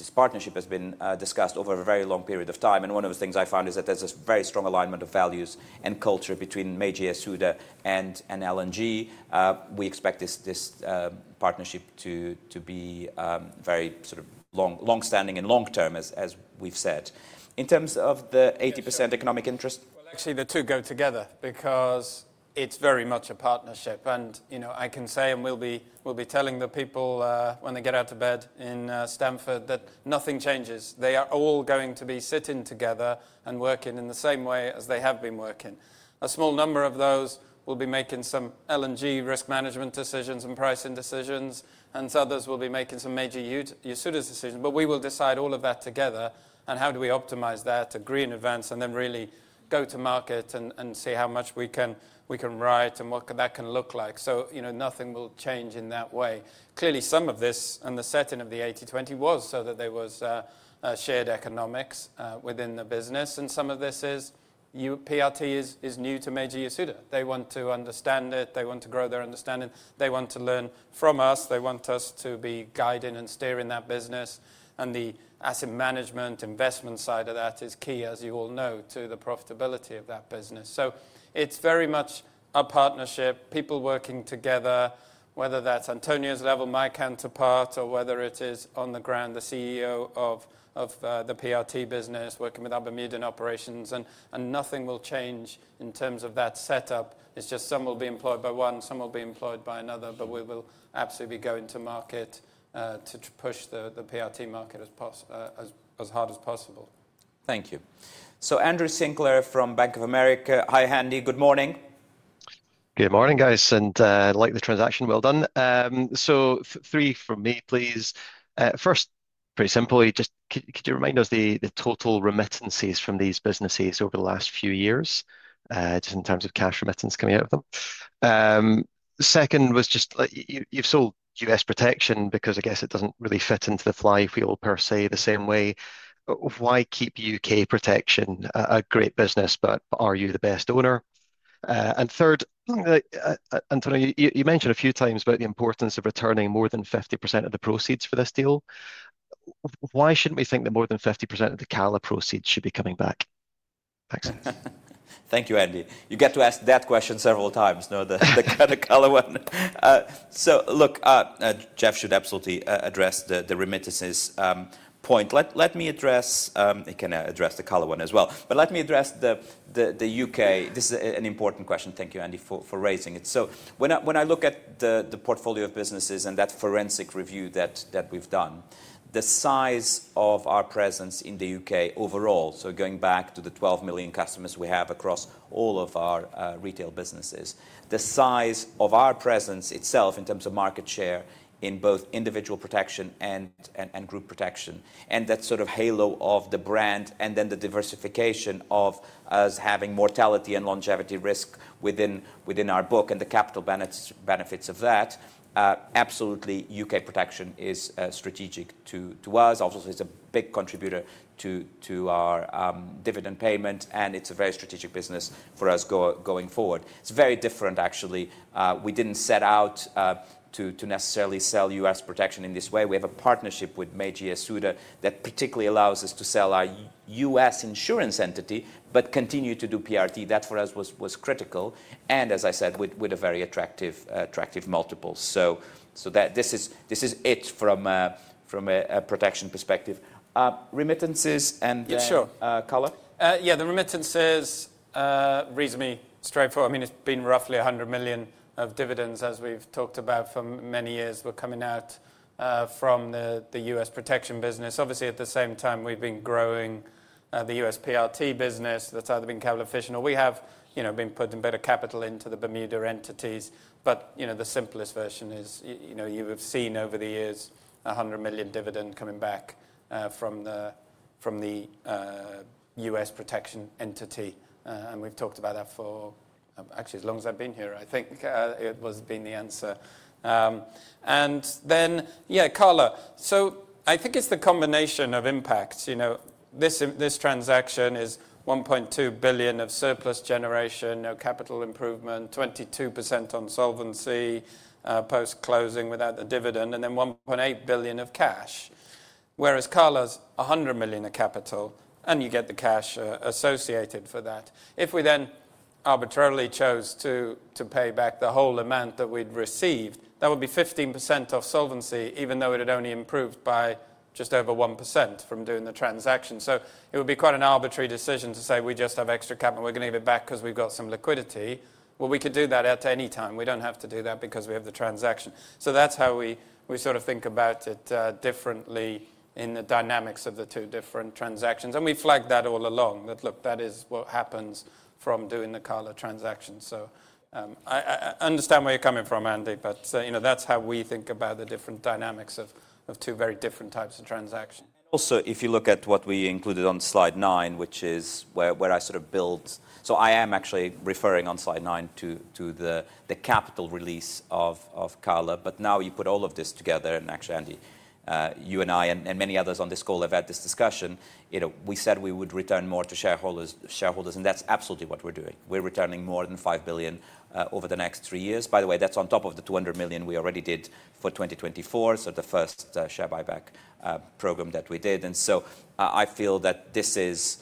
this partnership has been discussed over a very long period of time. And one of the things I found is that there's a very strong alignment of values and culture between Meiji Yasuda and L&G. We expect this partnership to be very sort of long-standing and long-term, as we've said. In terms of the 80% economic interest? Actually, the two go together because it's very much a partnership. I can say, and we'll be telling the people when they get out of bed in Stamford, that nothing changes. They are all going to be sitting together and working in the same way as they have been working. A small number of those will be making some L&G risk management decisions and pricing decisions. Others will be making some Meiji Yasuda decisions. We will decide all of that together. How do we optimize that, agree in advance, and then really go to market and see how much we can write and what that can look like? Nothing will change in that way. Clearly, some of this and the setting of the 80/20 was so that there was shared economics within the business. And some of this is, PRT is new to Meiji Yasuda. They want to understand it. They want to grow their understanding. They want to learn from us. They want us to be guiding and steering that business. And the asset management investment side of that is key, as you all know, to the profitability of that business. So it's very much a partnership, people working together, whether that's António's level, my counterpart, or whether it is on the ground, the CEO of the PRT business working with our Bermudan operations. And nothing will change in terms of that setup. It's just some will be employed by one, some will be employed by another. But we will absolutely be going to market to push the PRT market as hard as possible. Thank you. So Andrew Sinclair from Bank of America. Hi, António. Good morning. Good morning, guys. I like the transaction. Well done. So three from me, please. First, pretty simply, just could you remind us the total remittances from these businesses over the last few years, just in terms of cash remittance coming out of them? Second was just you've sold U.S. protection because I guess it doesn't really fit into the flywheel per se the same way. Why keep U.K. protection? A great business, but are you the best owner? Third, António, you mentioned a few times about the importance of returning more than 50% of the proceeds for this deal. Why shouldn't we think that more than 50% of the Cala proceeds should be coming back? Thanks. Thank you, Andy. You get to ask that question several times, the Cala one. So look, Jeff should absolutely address the remittances point. Let me address it. I can address the Cala one as well. But let me address the U.K. This is an important question. Thank you, Andy, for raising it. So when I look at the portfolio of businesses and that forensic review that we've done, the size of our presence in the U.K. overall, so going back to the 12 million customers we have across all of our retail businesses, the size of our presence itself in terms of market share in both individual protection and group protection, and that sort of halo of the brand, and then the diversification of us having mortality and longevity risk within our book and the capital benefits of that, absolutely, U.K. protection is strategic to us. Obviously, it's a big contributor to our dividend payment. It's a very strategic business for us going forward. It's very different, actually. We didn't set out to necessarily sell U.S. protection in this way. We have a partnership with Meiji Yasuda that particularly allows us to sell our U.S. insurance entity but continue to do PRT. That, for us, was critical. As I said, with a very attractive multiple. This is it from a protection perspective. Remittances and Cala? Yeah, the remittances reasonably straightforward. I mean, it's been roughly 100 million of dividends, as we've talked about for many years. We're coming out from the U.S. protection business. Obviously, at the same time, we've been growing the U.S. PRT business that's either been Cala efficient, or we have been putting better capital into the Bermuda entities. But the simplest version is you have seen over the years 100 million dividend coming back from the U.S. protection entity. And we've talked about that for actually, as long as I've been here, I think it was been the answer. And then, yeah, Cala. So I think it's the combination of impacts. This transaction is 1.2 billion of surplus generation, no capital improvement, 22% on solvency post-closing without the dividend, and then 1.8 billion of cash. Whereas Cala's 100 million of capital, and you get the cash associated for that. If we then arbitrarily chose to pay back the whole amount that we'd received, that would be 15% off solvency, even though it had only improved by just over 1% from doing the transaction. So it would be quite an arbitrary decision to say, we just have extra capital. We're going to give it back because we've got some liquidity. Well, we could do that at any time. We don't have to do that because we have the transaction. So that's how we sort of think about it differently in the dynamics of the two different transactions. And we flagged that all along that, look, that is what happens from doing the Cala transaction. So I understand where you're coming from, Andy. But that's how we think about the different dynamics of two very different types of transactions. Also, if you look at what we included on slide 9, which is where I sort of build so I am actually referring on slide 9 to the capital release of Cala. But now you put all of this together. And actually, Andy, you and I and many others on this call have had this discussion. We said we would return more to shareholders. And that's absolutely what we're doing. We're returning more than 5 billion over the next three years. By the way, that's on top of the 200 million we already did for 2024, so the first share buyback program that we did. And so I feel that this is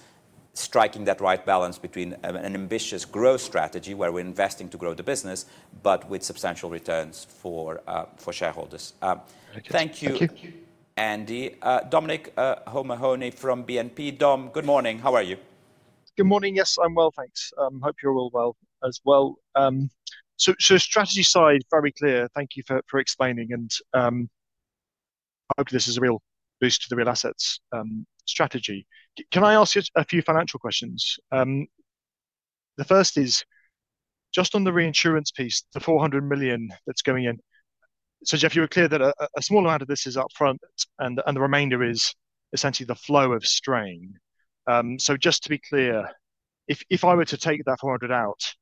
striking that right balance between an ambitious growth strategy where we're investing to grow the business but with substantial returns for shareholders. Thank you, Andy. Dominic O'Mahony from BNP. Dom, good morning. How are you? Good morning. Yes, I'm well, thanks. Hope you're all well as well. So strategy side, very clear. Thank you for explaining. And I hope this is a real boost to the Real Assets strategy. Can I ask you a few financial questions? The first is just on the reinsurance piece, the 400 million that's going in. So Jeff, you were clear that a small amount of this is upfront, and the remainder is essentially the flow of strain. So just to be clear, if I were to take that 400 million out,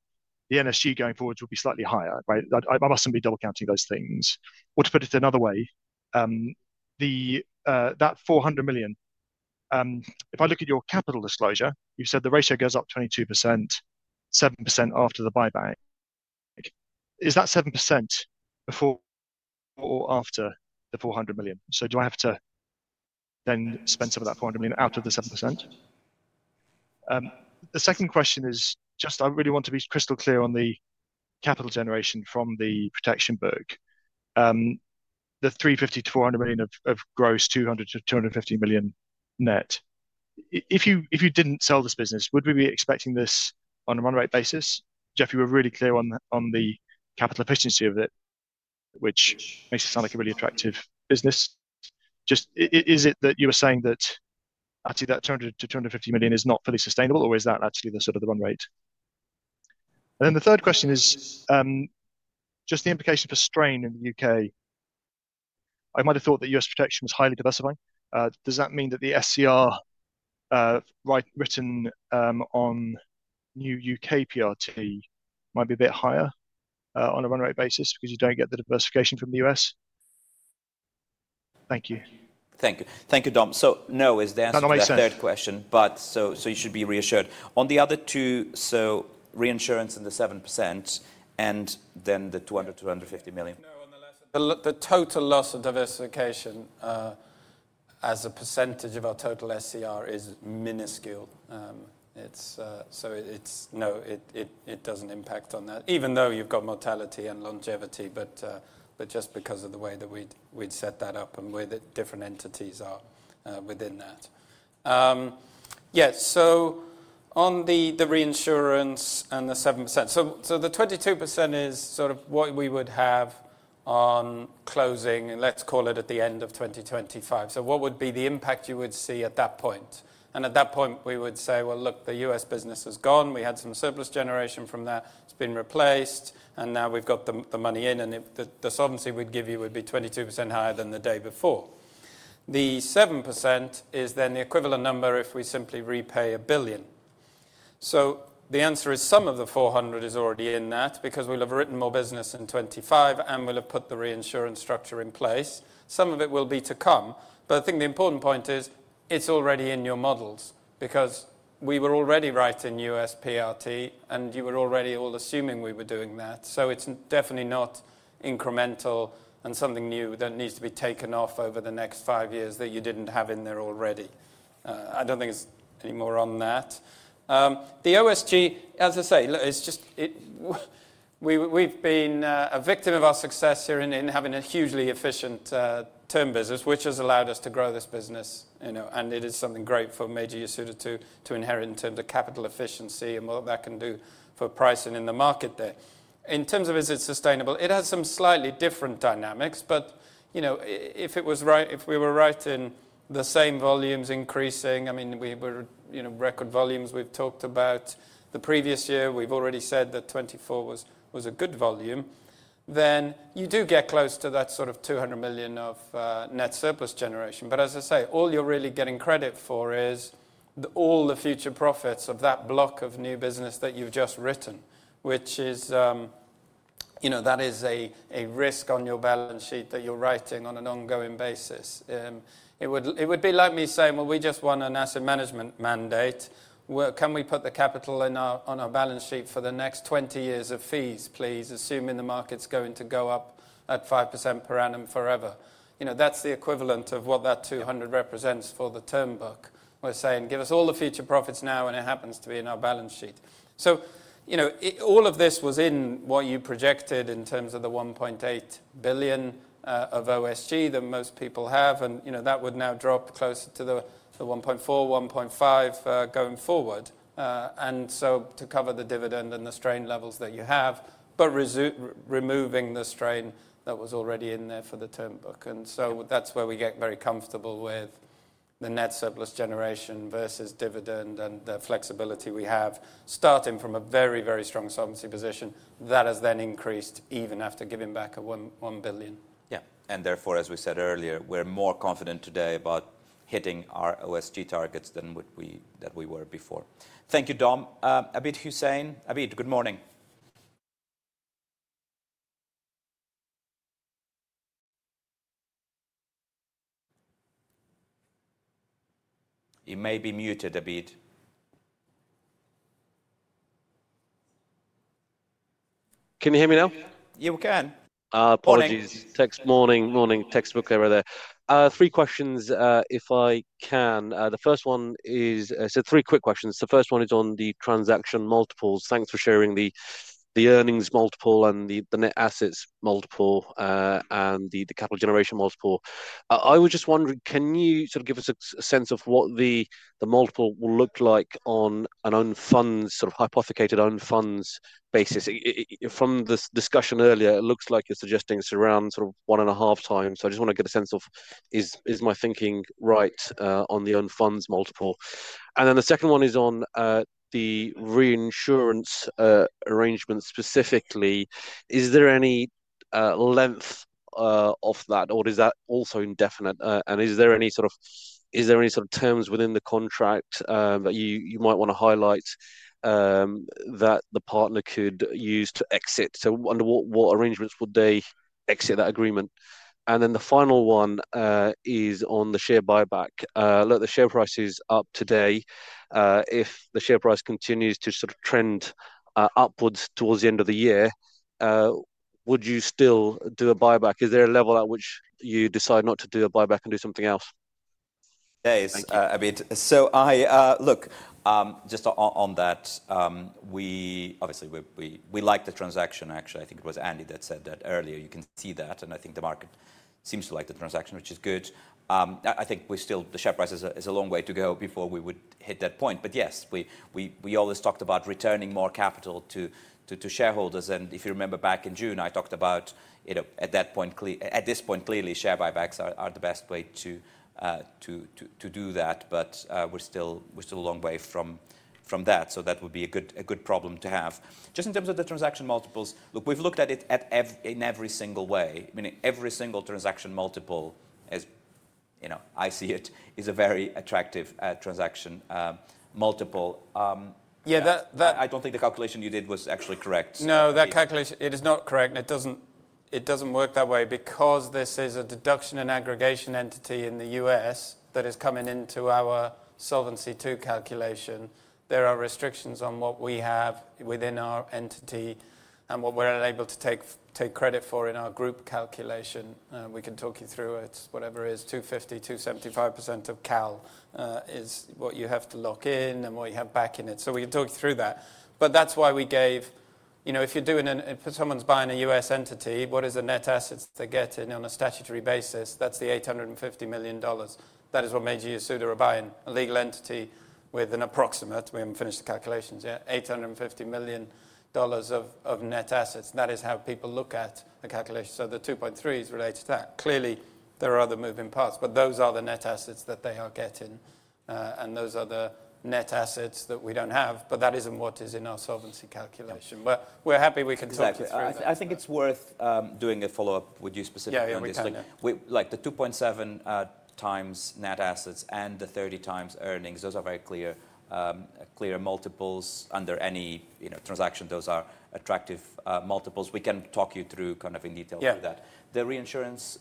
the NSG going forwards would be slightly higher, right? I mustn't be double counting those things. Or to put it another way, that 400 million, if I look at your capital disclosure, you said the ratio goes up 22%, 7% after the buyback. Is that 7% before or after the 400 million? So do I have to then spend some of that 400 million out of the 7%? The second question is just I really want to be crystal clear on the capital generation from the protection book. The 350 million-400 million of gross, 200 million-250 million net. If you didn't sell this business, would we be expecting this on a run rate basis? Jeff, you were really clear on the capital efficiency of it, which makes it sound like a really attractive business. Just is it that you were saying that actually that 200 million-250 million is not fully sustainable, or is that actually the sort of the run rate? And then the third question is just the implication for strain in the U.K. I might have thought that U.S. protection was highly diversifying. Does that mean that the SCR written on new U.K. PRT might be a bit higher on a run rate basis because you don't get the diversification from the U.S.? Thank you. Thank you. Thank you, Dom. So no is the answer to that third question. But so you should be reassured. On the other two, so reinsurance and the 7%, and then the 200-250 million. No, on the latter, the total loss of diversification as a percentage of our total SCR is minuscule. So no, it doesn't impact on that, even though you've got mortality and longevity, but just because of the way that we'd set that up and where the different entities are within that. Yeah, so on the reinsurance and the 7%, so the 22% is sort of what we would have on closing, let's call it at the end of 2025. So what would be the impact you would see at that point? And at that point, we would say, well, look, the U.S. business was gone. We had some surplus generation from that. It's been replaced. And now we've got the money in. And the solvency we'd give you would be 22% higher than the day before. The 7% is then the equivalent number if we simply repay 1 billion. So the answer is some of the 400 is already in that because we'll have written more business in 2025, and we'll have put the reinsurance structure in place. Some of it will be to come. But I think the important point is it's already in your models because we were already writing U.S. PRT, and you were already all assuming we were doing that. So it's definitely not incremental and something new that needs to be taken off over the next five years that you didn't have in there already. I don't think there's any more on that. The OSG, as I say, we've been a victim of our success here in having a hugely efficient term business, which has allowed us to grow this business. It is something great for Meiji Yasuda to inherit in terms of capital efficiency and what that can do for pricing in the market there. In terms of is it sustainable, it has some slightly different dynamics. If it was right, if we were writing the same volumes increasing, I mean, we were record volumes we've talked about the previous year. We've already said that 2024 was a good volume. Then you do get close to that sort of 200 million of net surplus generation. But as I say, all you're really getting credit for is all the future profits of that block of new business that you've just written, which is a risk on your balance sheet that you're writing on an ongoing basis. It would be like me saying, well, we just won an asset management mandate. Can we put the capital on our balance sheet for the next 20 years of fees, please, assuming the market's going to go up at 5% per annum forever? That's the equivalent of what that 200 represents for the term book. We're saying, give us all the future profits now, and it happens to be in our balance sheet. So all of this was in what you projected in terms of the 1.8 billion of OSG that most people have. And that would now drop closer to the 1.4-1.5 going forward, and so to cover the dividend and the strain levels that you have, but removing the strain that was already in there for the term book. And so that's where we get very comfortable with the net surplus generation versus dividend and the flexibility we have, starting from a very, very strong solvency position that has then increased even after giving back a 1 billion. Yeah. And therefore, as we said earlier, we're more confident today about hitting our OSG targets than we were before. Thank you, Dom. Abid Hussain. Abid, good morning. You may be muted, Abid. Can you hear me now? You can. Apologies. Three quick questions, if I can. The first one is on the transaction multiples. Thanks for sharing the earnings multiple and the net assets multiple and the capital generation multiple. I was just wondering, can you sort of give us a sense of what the multiple will look like on an Own Funds, sort of hypothetical Own Funds basis? From the discussion earlier, it looks like you're suggesting it's around sort of one and a half times. So I just want to get a sense of is my thinking right on the Own Funds multiple? And then the second one is on the reinsurance arrangement specifically. Is there any length of that, or is that also indefinite? And is there any sort of terms within the contract that you might want to highlight that the partner could use to exit? So under what arrangements would they exit that agreement? And then the final one is on the share buyback. Look, the share price is up today. If the share price continues to sort of trend upwards towards the end of the year, would you still do a buyback? Is there a level at which you decide not to do a buyback and do something else? There is, Abid. So look, just on that, we obviously like the transaction. Actually, I think it was Andy that said that earlier. You can see that. And I think the market seems to like the transaction, which is good. I think the share price is still a long way to go before we would hit that point. But yes, we always talked about returning more capital to shareholders. And if you remember back in June, I talked about at that point, at this point, clearly, share buybacks are the best way to do that. But we're still a long way from that. So that would be a good problem to have. Just in terms of the transaction multiples, look, we've looked at it in every single way. I mean, every single transaction multiple is, I see it, a very attractive transaction multiple. Yeah, that. I don't think the calculation you did was actually correct. No, that calculation, it is not correct and it doesn't work that way because this is a deduction and aggregation entity in the U.S. that is coming into our Solvency II calculation. There are restrictions on what we have within our entity and what we're unable to take credit for in our group calculation. We can talk you through it. Whatever it is, 250%-275% of CAL is what you have to lock in and what you have back in it. So we can talk you through that. But that's why we gave if you're doing if someone's buying a U.S. entity, what is the net assets they're getting on a statutory basis? That's the $850 million. That is what Meiji Yasuda are buying, a legal entity with an approximate. We haven't finished the calculations. Yeah, $850 million of net assets. That is how people look at the calculation. So the 2.3 is related to that. Clearly, there are other moving parts, but those are the net assets that they are getting. And those are the net assets that we don't have. But that isn't what is in our solvency calculation. But we're happy we can talk you through it. Exactly. I think it's worth doing a follow-up with you specifically on this thing. Like the 2.7 times net assets and the 30 times earnings, those are very clear multiples under any transaction. Those are attractive multiples. We can talk you through kind of in detail through that. The reinsurance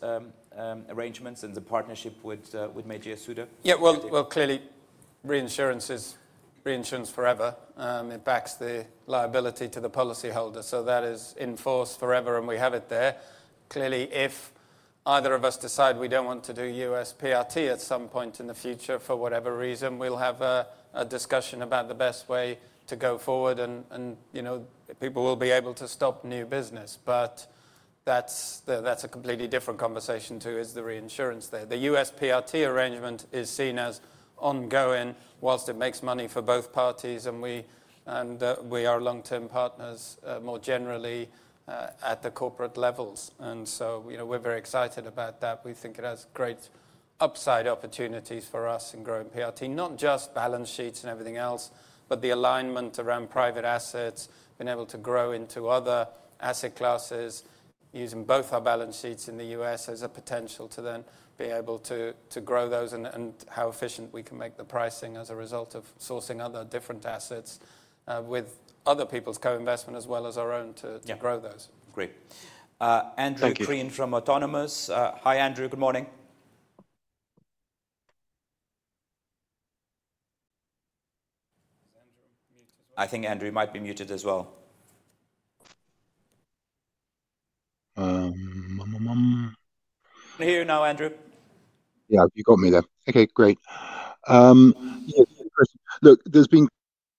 arrangements and the partnership with Meiji Yasuda? Yeah, well, clearly, reinsurance is reinsurance forever. It backs the liability to the policyholder. So that is in force forever, and we have it there. Clearly, if either of us decide we don't want to do U.S. PRT at some point in the future for whatever reason, we'll have a discussion about the best way to go forward. And people will be able to stop new business. But that's a completely different conversation too. Is the reinsurance there? The U.S. PRT arrangement is seen as ongoing while it makes money for both parties. And we are long-term partners more generally at the corporate levels. And so we're very excited about that. We think it has great upside opportunities for us in growing PRT, not just balance sheets and everything else, but the alignment around private assets, being able to grow into other asset classes using both our balance sheets in the U.S. as a potential to then be able to grow those and how efficient we can make the pricing as a result of sourcing other different assets with other people's co-investment as well as our own to grow those. Yeah, great. Andrew Crean from Autonomous. Hi, Andrew. Good morning. Is Andrew muted as well? I think Andrew might be muted as well. Can you hear me now, Andrew? Yeah, you got me there. Okay, great. Look, there's been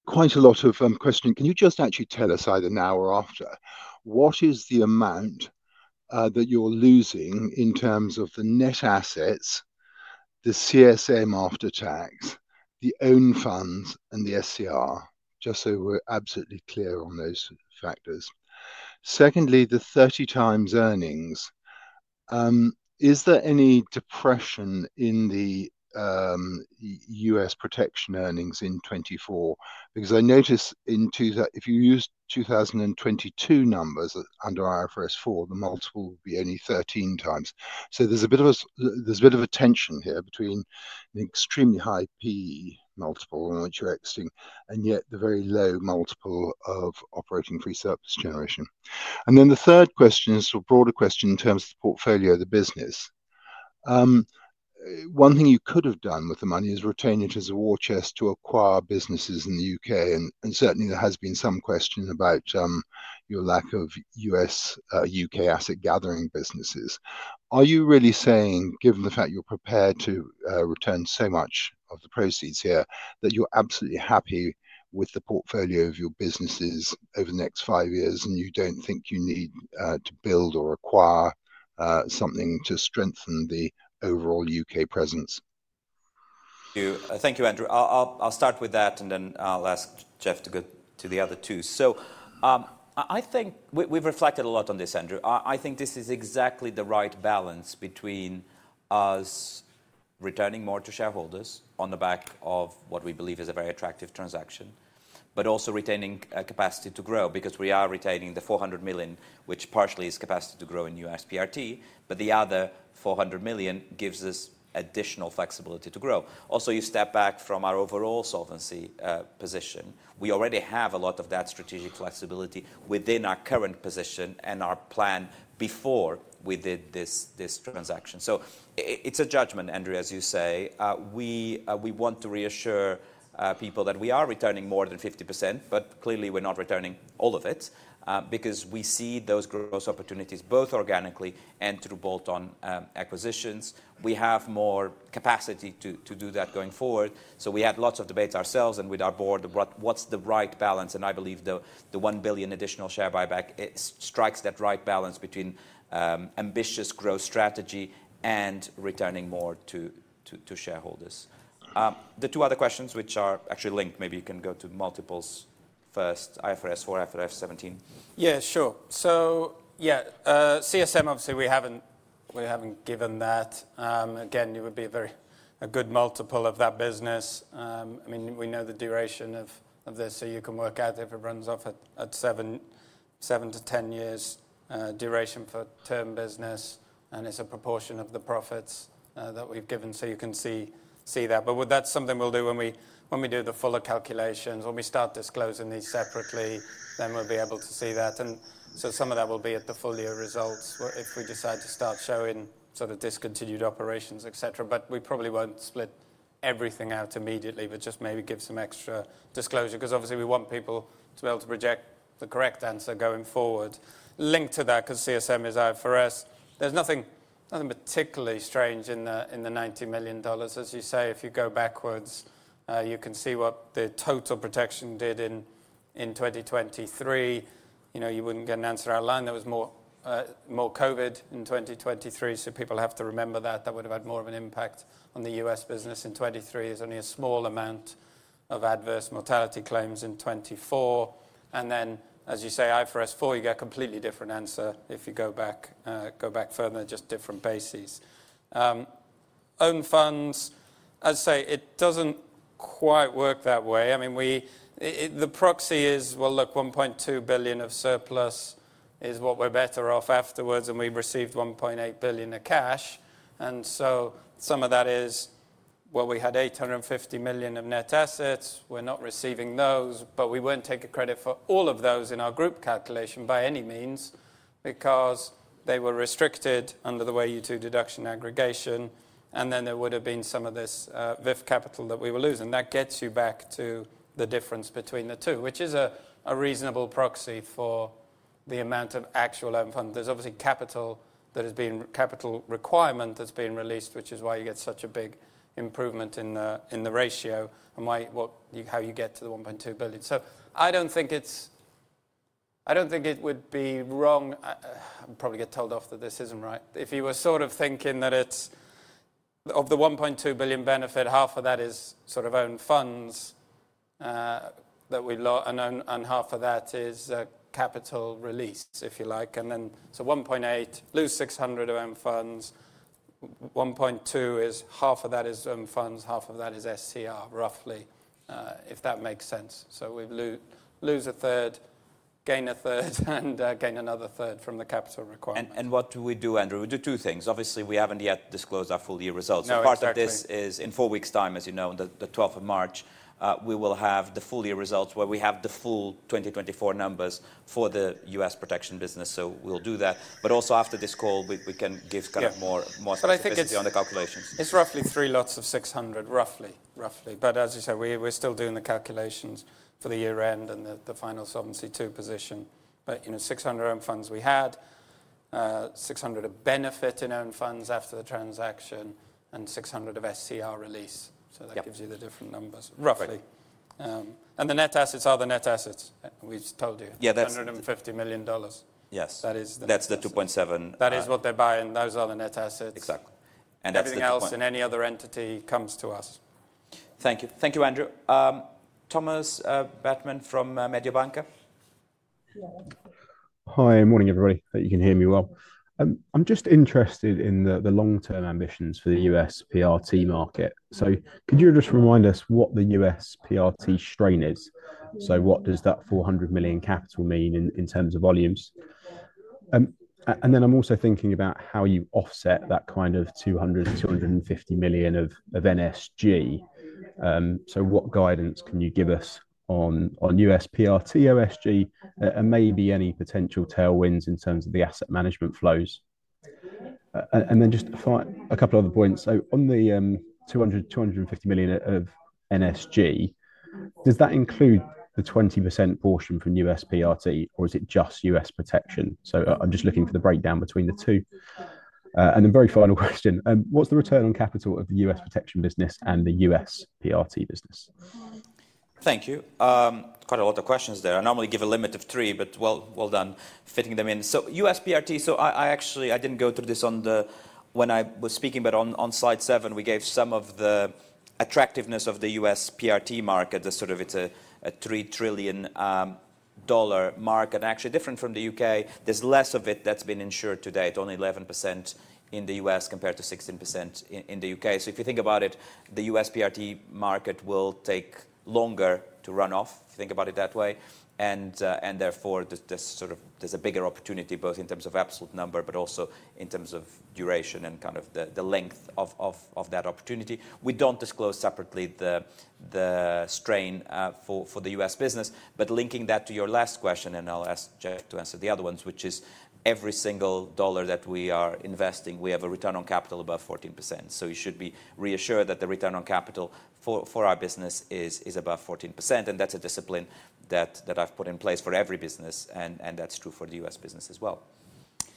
quite a lot of questioning. Can you just actually tell us either now or after, what is the amount that you're losing in terms of the net assets, the CSM after tax, the Own Funds, and the SCR, just so we're absolutely clear on those factors? Secondly, the 30 times earnings, is there any depression in the U.S. Protection earnings in 2024? Because I noticed in if you use 2022 numbers under IFRS 4, the multiple would be only 13 times. So there's a bit of a tension here between an extremely high P multiple on which you're exiting, and yet the very low multiple of operating free surplus generation. And then the third question is a broader question in terms of the portfolio of the business. One thing you could have done with the money is retain it as a war chest to acquire businesses in the U.K., and certainly, there has been some question about your lack of U.S./U.K. asset gathering businesses. Are you really saying, given the fact you're prepared to return so much of the proceeds here, that you're absolutely happy with the portfolio of your businesses over the next five years, and you don't think you need to build or acquire something to strengthen the overall U.K. presence? Thank you, Andrew. I'll start with that, and then I'll ask Jeff to go to the other two. So I think we've reflected a lot on this, Andrew. I think this is exactly the right balance between us returning more to shareholders on the back of what we believe is a very attractive transaction, but also retaining capacity to grow because we are retaining the 400 million, which partially is capacity to grow in U.S. PRT, but the other 400 million gives us additional flexibility to grow. Also, you step back from our overall solvency position. We already have a lot of that strategic flexibility within our current position and our plan before we did this transaction. So it's a judgment, Andrew, as you say. We want to reassure people that we are returning more than 50%, but clearly, we're not returning all of it because we see those growth opportunities both organically and through bolt-on acquisitions. We have more capacity to do that going forward. So we had lots of debates ourselves and with our board about what's the right balance. And I believe the 1 billion additional share buyback strikes that right balance between ambitious growth strategy and returning more to shareholders. The two other questions, which are actually linked, maybe you can go to multiples first, IFRS 4, IFRS 17. Yeah, sure. So yeah, CSM, obviously, we haven't given that. Again, it would be a good multiple of that business. I mean, we know the duration of this, so you can work out if it runs off at 7-10 years duration for term business. And it's a proportion of the profits that we've given, so you can see that. But that's something we'll do when we do the fuller calculations. When we start disclosing these separately, then we'll be able to see that. And so some of that will be at the full year results if we decide to start showing sort of discontinued operations, et cetera. But we probably won't split everything out immediately, but just maybe give some extra disclosure because obviously, we want people to be able to project the correct answer going forward. Linked to that, because CSM is IFRS, there's nothing particularly strange in the $90 million. As you say, if you go backwards, you can see what the total protection did in 2023. You wouldn't get an answer outlined. There was more COVID in 2023, so people have to remember that. That would have had more of an impact on the U.S. business in 2023. There's only a small amount of adverse mortality claims in 2024. And then, as you say, IFRS 4, you get a completely different answer if you go back further, just different bases. Own funds, as I say, it doesn't quite work that way. I mean, the proxy is, well, look, 1.2 billion of surplus is what we're better off afterwards, and we received 1.8 billion of cash. And so some of that is, well, we had 850 million of net assets. We're not receiving those, but we won't take a credit for all of those in our group calculation by any means because they were restricted under the way you do deduction aggregation, and then there would have been some of this VIF capital that we were losing. That gets you back to the difference between the two, which is a reasonable proxy for the amount of actual own fund. There's obviously capital that has been capital requirement that's been released, which is why you get such a big improvement in the ratio and how you get to the 1.2 billion. So I don't think it would be wrong. I'll probably get told off that this isn't right. If you were sort of thinking that it's of the 1.2 billion benefit, half of that is sort of Own Funds that we lost, and half of that is capital release, if you like. And then so 1.8, lose 600 of Own Funds. 1.2 is half of that is Own Funds. Half of that is SCR, roughly, if that makes sense. So we lose a third, gain a third, and gain another third from the capital requirement. What do we do, Andrew? We do two things. Obviously, we haven't yet disclosed our full year results. No, we haven't. Part of this is in four weeks' time, as you know, on the 12th of March, we will have the full year results where we have the full 2024 numbers for the U.S. protection business. So we'll do that. But also after this call, we can give kind of more specificity on the calculations. It's roughly three lots of 600, roughly, roughly, but as you say, we're still doing the calculations for the year-end and the final Solvency II position, but 600 Own Funds we had, 600 of benefit in Own Funds after the transaction, and 600 of SCR release, so that gives you the different numbers, roughly, and the net assets are the net assets we just told you, $150 million. Yes. That's the 2.7. That is what they're buying. Those are the net assets. Exactly. Everything else in any other entity comes to us. Thank you. Thank you, Andrew. Thomas Bateman from Mediobanca. Hi, morning, everybody. I hope you can hear me well. I'm just interested in the long-term ambitions for the U.S. PRT market. So could you just remind us what the U.S. PRT strain is? So what does that 400 million capital mean in terms of volumes? And then I'm also thinking about how you offset that kind of 200-250 million of NSG. So what guidance can you give us on U.S. PRT, OSG, and maybe any potential tailwinds in terms of the asset management flows? And then just a couple of other points. So on the 200-250 million of NSG, does that include the 20% portion from U.S. PRT, or is it just U.S. protection? So I'm just looking for the breakdown between the two. And then very final question, what's the return on capital of the U.S. protection business and the U.S. PRT business? Thank you. Quite a lot of questions there. I normally give a limit of three, but well, well done fitting them in, so U.S. PRT, so I actually didn't go through this when I was speaking, but on slide seven, we gave some of the attractiveness of the U.S. PRT market, the sort of it's a $3 trillion market, actually different from the U.K. There's less of it that's been insured to date, only 11% in the U.S. compared to 16% in the U.K., so if you think about it, the U.S. PRT market will take longer to run off, if you think about it that way, and therefore, there's a bigger opportunity both in terms of absolute number, but also in terms of duration and kind of the length of that opportunity. We don't disclose separately the strain for the U.S. business. But linking that to your last question, and I'll ask Jeff to answer the other ones, which is every single dollar that we are investing, we have a return on capital above 14%. So you should be reassured that the return on capital for our business is above 14%. And that's a discipline that I've put in place for every business, and that's true for the U.S. business as well.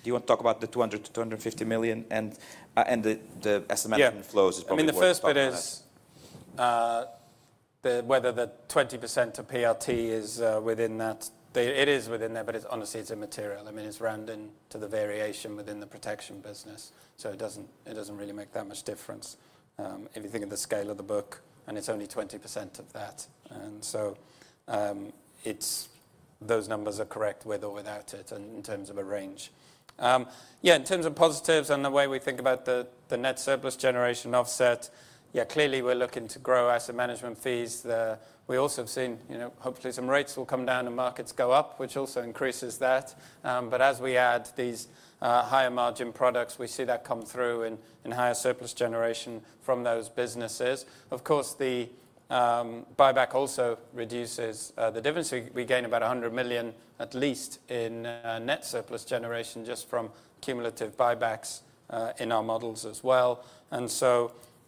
Do you want to talk about the 200-250 million and the asset management flows? Yeah. I mean, the first bit is whether the 20% of PRT is within that. It is within that, but honestly, it's immaterial. I mean, it's rounding to the variation within the protection business. So it doesn't really make that much difference if you think of the scale of the book, and it's only 20% of that. And so those numbers are correct with or without it in terms of a range. Yeah, in terms of positives and the way we think about the net surplus generation offset, yeah, clearly we're looking to grow asset management fees. We also have seen hopefully some rates will come down and markets go up, which also increases that. But as we add these higher margin products, we see that come through in higher surplus generation from those businesses. Of course, the buyback also reduces the difference. We gain about 100 million, at least in net surplus generation just from cumulative buybacks in our models as well.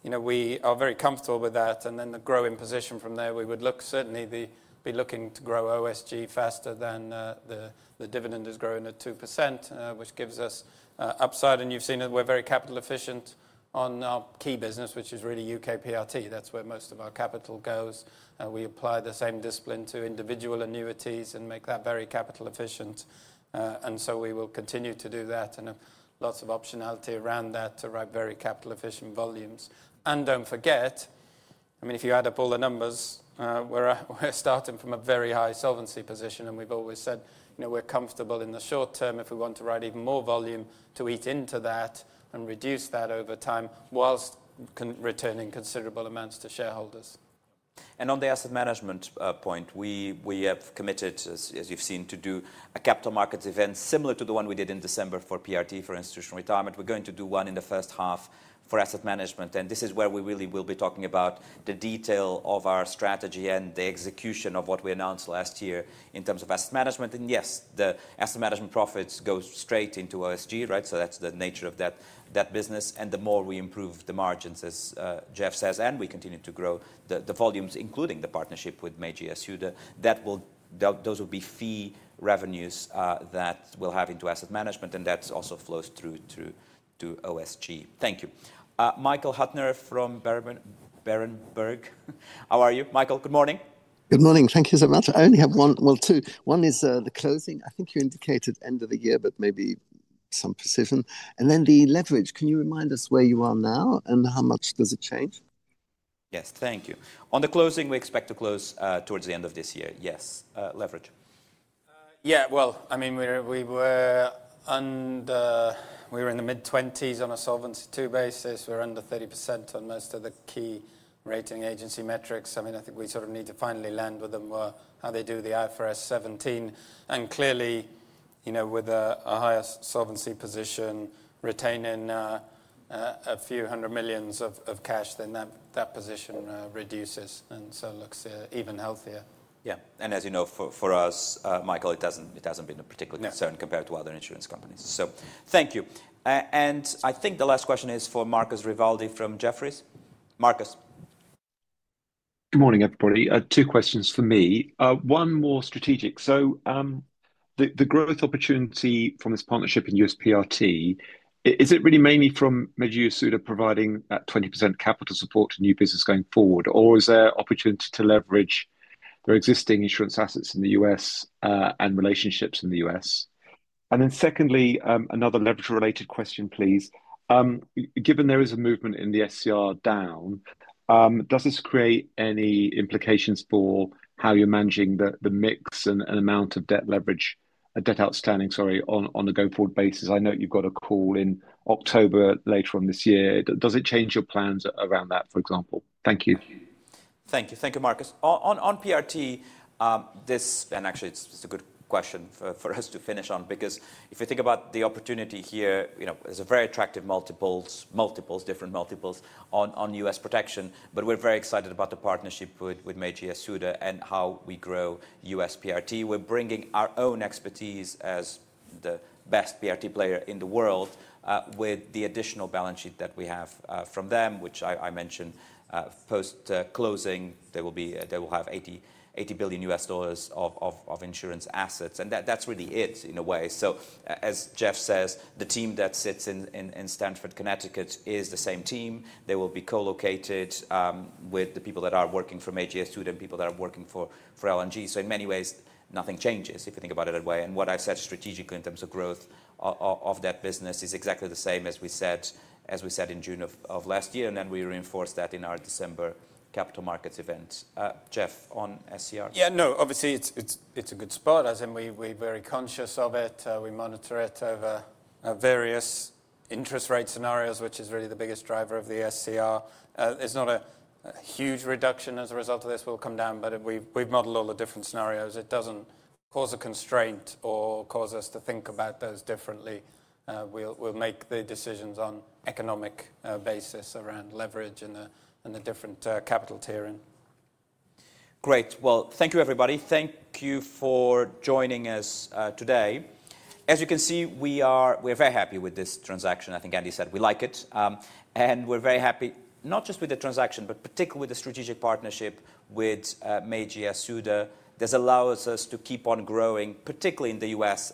And so we are very comfortable with that. And then the growing position from there, we would certainly be looking to grow OSG faster than the dividend is growing at 2%, which gives us upside. And you've seen that we're very capital efficient on our key business, which is really U.K. PRT. That's where most of our capital goes. We apply the same discipline to individual annuities and make that very capital efficient. And so we will continue to do that and have lots of optionality around that to write very capital efficient volumes. And don't forget, I mean, if you add up all the numbers, we're starting from a very high solvency position. We've always said we're comfortable in the short term if we want to write even more volume to eat into that and reduce that over time whilst returning considerable amounts to shareholders. And on the asset management point, we have committed, as you've seen, to do a capital markets event similar to the one we did in December for PRT for institutional retirement. We're going to do one in the first half for asset management. And this is where we really will be talking about the detail of our strategy and the execution of what we announced last year in terms of asset management. And yes, the asset management profits go straight into OSG, right? So that's the nature of that business. And the more we improve the margins, as Jeff says, and we continue to grow the volumes, including the partnership with Meiji Yasuda, those will be fee revenues that we'll have into asset management. And that also flows through to OSG. Thank you. Michael Huttner from Berenberg. How are you, Michael? Good morning. Good morning. Thank you so much. I only have one, well, two. One is the closing. I think you indicated end of the year, but maybe some precision, and then the leverage. Can you remind us where you are now and how much does it change? Yes, thank you. On the closing, we expect to close towards the end of this year. Yes, leverage. Yeah, well, I mean, we were in the mid-20s on a Solvency II basis. We're under 30% on most of the key rating agency metrics. I mean, I think we sort of need to finally land with them how they do the IFRS 17. Clearly, with a higher solvency position, retaining a few hundred millions of cash, then that position reduces, so it looks even healthier. Yeah, and as you know, for us, Michael, it hasn't been a particular concern compared to other insurance companies, so thank you, and I think the last question is for Marcus Rivaldi from Jefferies. Marcus. Good morning, everybody. Two questions for me. One more strategic. So the growth opportunity from this partnership in U.S. PRT, is it really mainly from Meiji Yasuda providing that 20% capital support to new business going forward? Or is there opportunity to leverage their existing insurance assets in the U.S. and relationships in the U.S.? And then secondly, another leverage-related question, please. Given there is a movement in the SCR down, does this create any implications for how you're managing the mix and amount of debt leverage, debt outstanding, sorry, on a go-forward basis? I know you've got a call in October later on this year. Does it change your plans around that, for example? Thank you. Thank you. Thank you, Marcus. On PRT, this, and actually, it's a good question for us to finish on, because if you think about the opportunity here, there's a very attractive multiples, different multiples on U.S. protection. But we're very excited about the partnership with Meiji Yasuda and how we grow U.S. PRT. We're bringing our own expertise as the best PRT player in the world with the additional balance sheet that we have from them, which I mentioned post-closing, they will have $80 billion of insurance assets. And that's really it in a way. So as Jeff says, the team that sits in Stamford, Connecticut is the same team. They will be co-located with the people that are working for Meiji Yasuda and people that are working for L&G. So in many ways, nothing changes if you think about it that way. What I said strategically in terms of growth of that business is exactly the same as we said in June of last year. Then we reinforced that in our December capital markets event. Jeff, on SCR? Yeah, no, obviously, it's a good spot. As I said, we're very conscious of it. We monitor it over various interest rate scenarios, which is really the biggest driver of the SCR. It's not a huge reduction as a result of this. We'll come down, but we've modeled all the different scenarios. It doesn't cause a constraint or cause us to think about those differently. We'll make the decisions on an economic basis around leverage and the different capital tiering. Great. Well, thank you, everybody. Thank you for joining us today. As you can see, we are very happy with this transaction. I think Andy said we like it. And we're very happy not just with the transaction, but particularly with the strategic partnership with Meiji Yasuda that allows us to keep on growing, particularly in the U.S.,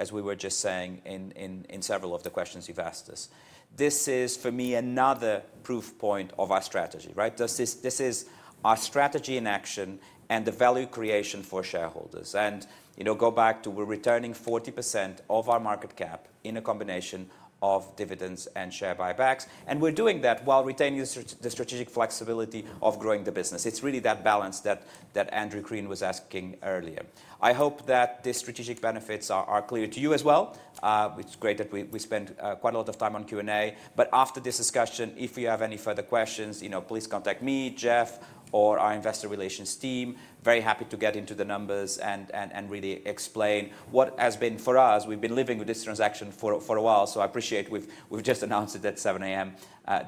as we were just saying in several of the questions you've asked us. This is, for me, another proof point of our strategy, right? This is our strategy in action and the value creation for shareholders. And go back to we're returning 40% of our market cap in a combination of dividends and share buybacks. And we're doing that while retaining the strategic flexibility of growing the business. It's really that balance that Andrew Crean was asking earlier. I hope that these strategic benefits are clear to you as well. It's great that we spent quite a lot of time on Q&A. But after this discussion, if you have any further questions, please contact me, Jeff, or our investor relations team. Very happy to get into the numbers and really explain what has been for us. We've been living with this transaction for a while. So I appreciate we've just announced it at 7:00 A.M.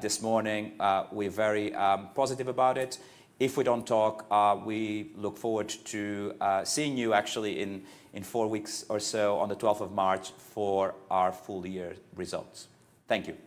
this morning. We're very positive about it. If we don't talk, we look forward to seeing you actually in four weeks or so on the 12th of March for our full year results. Thank you.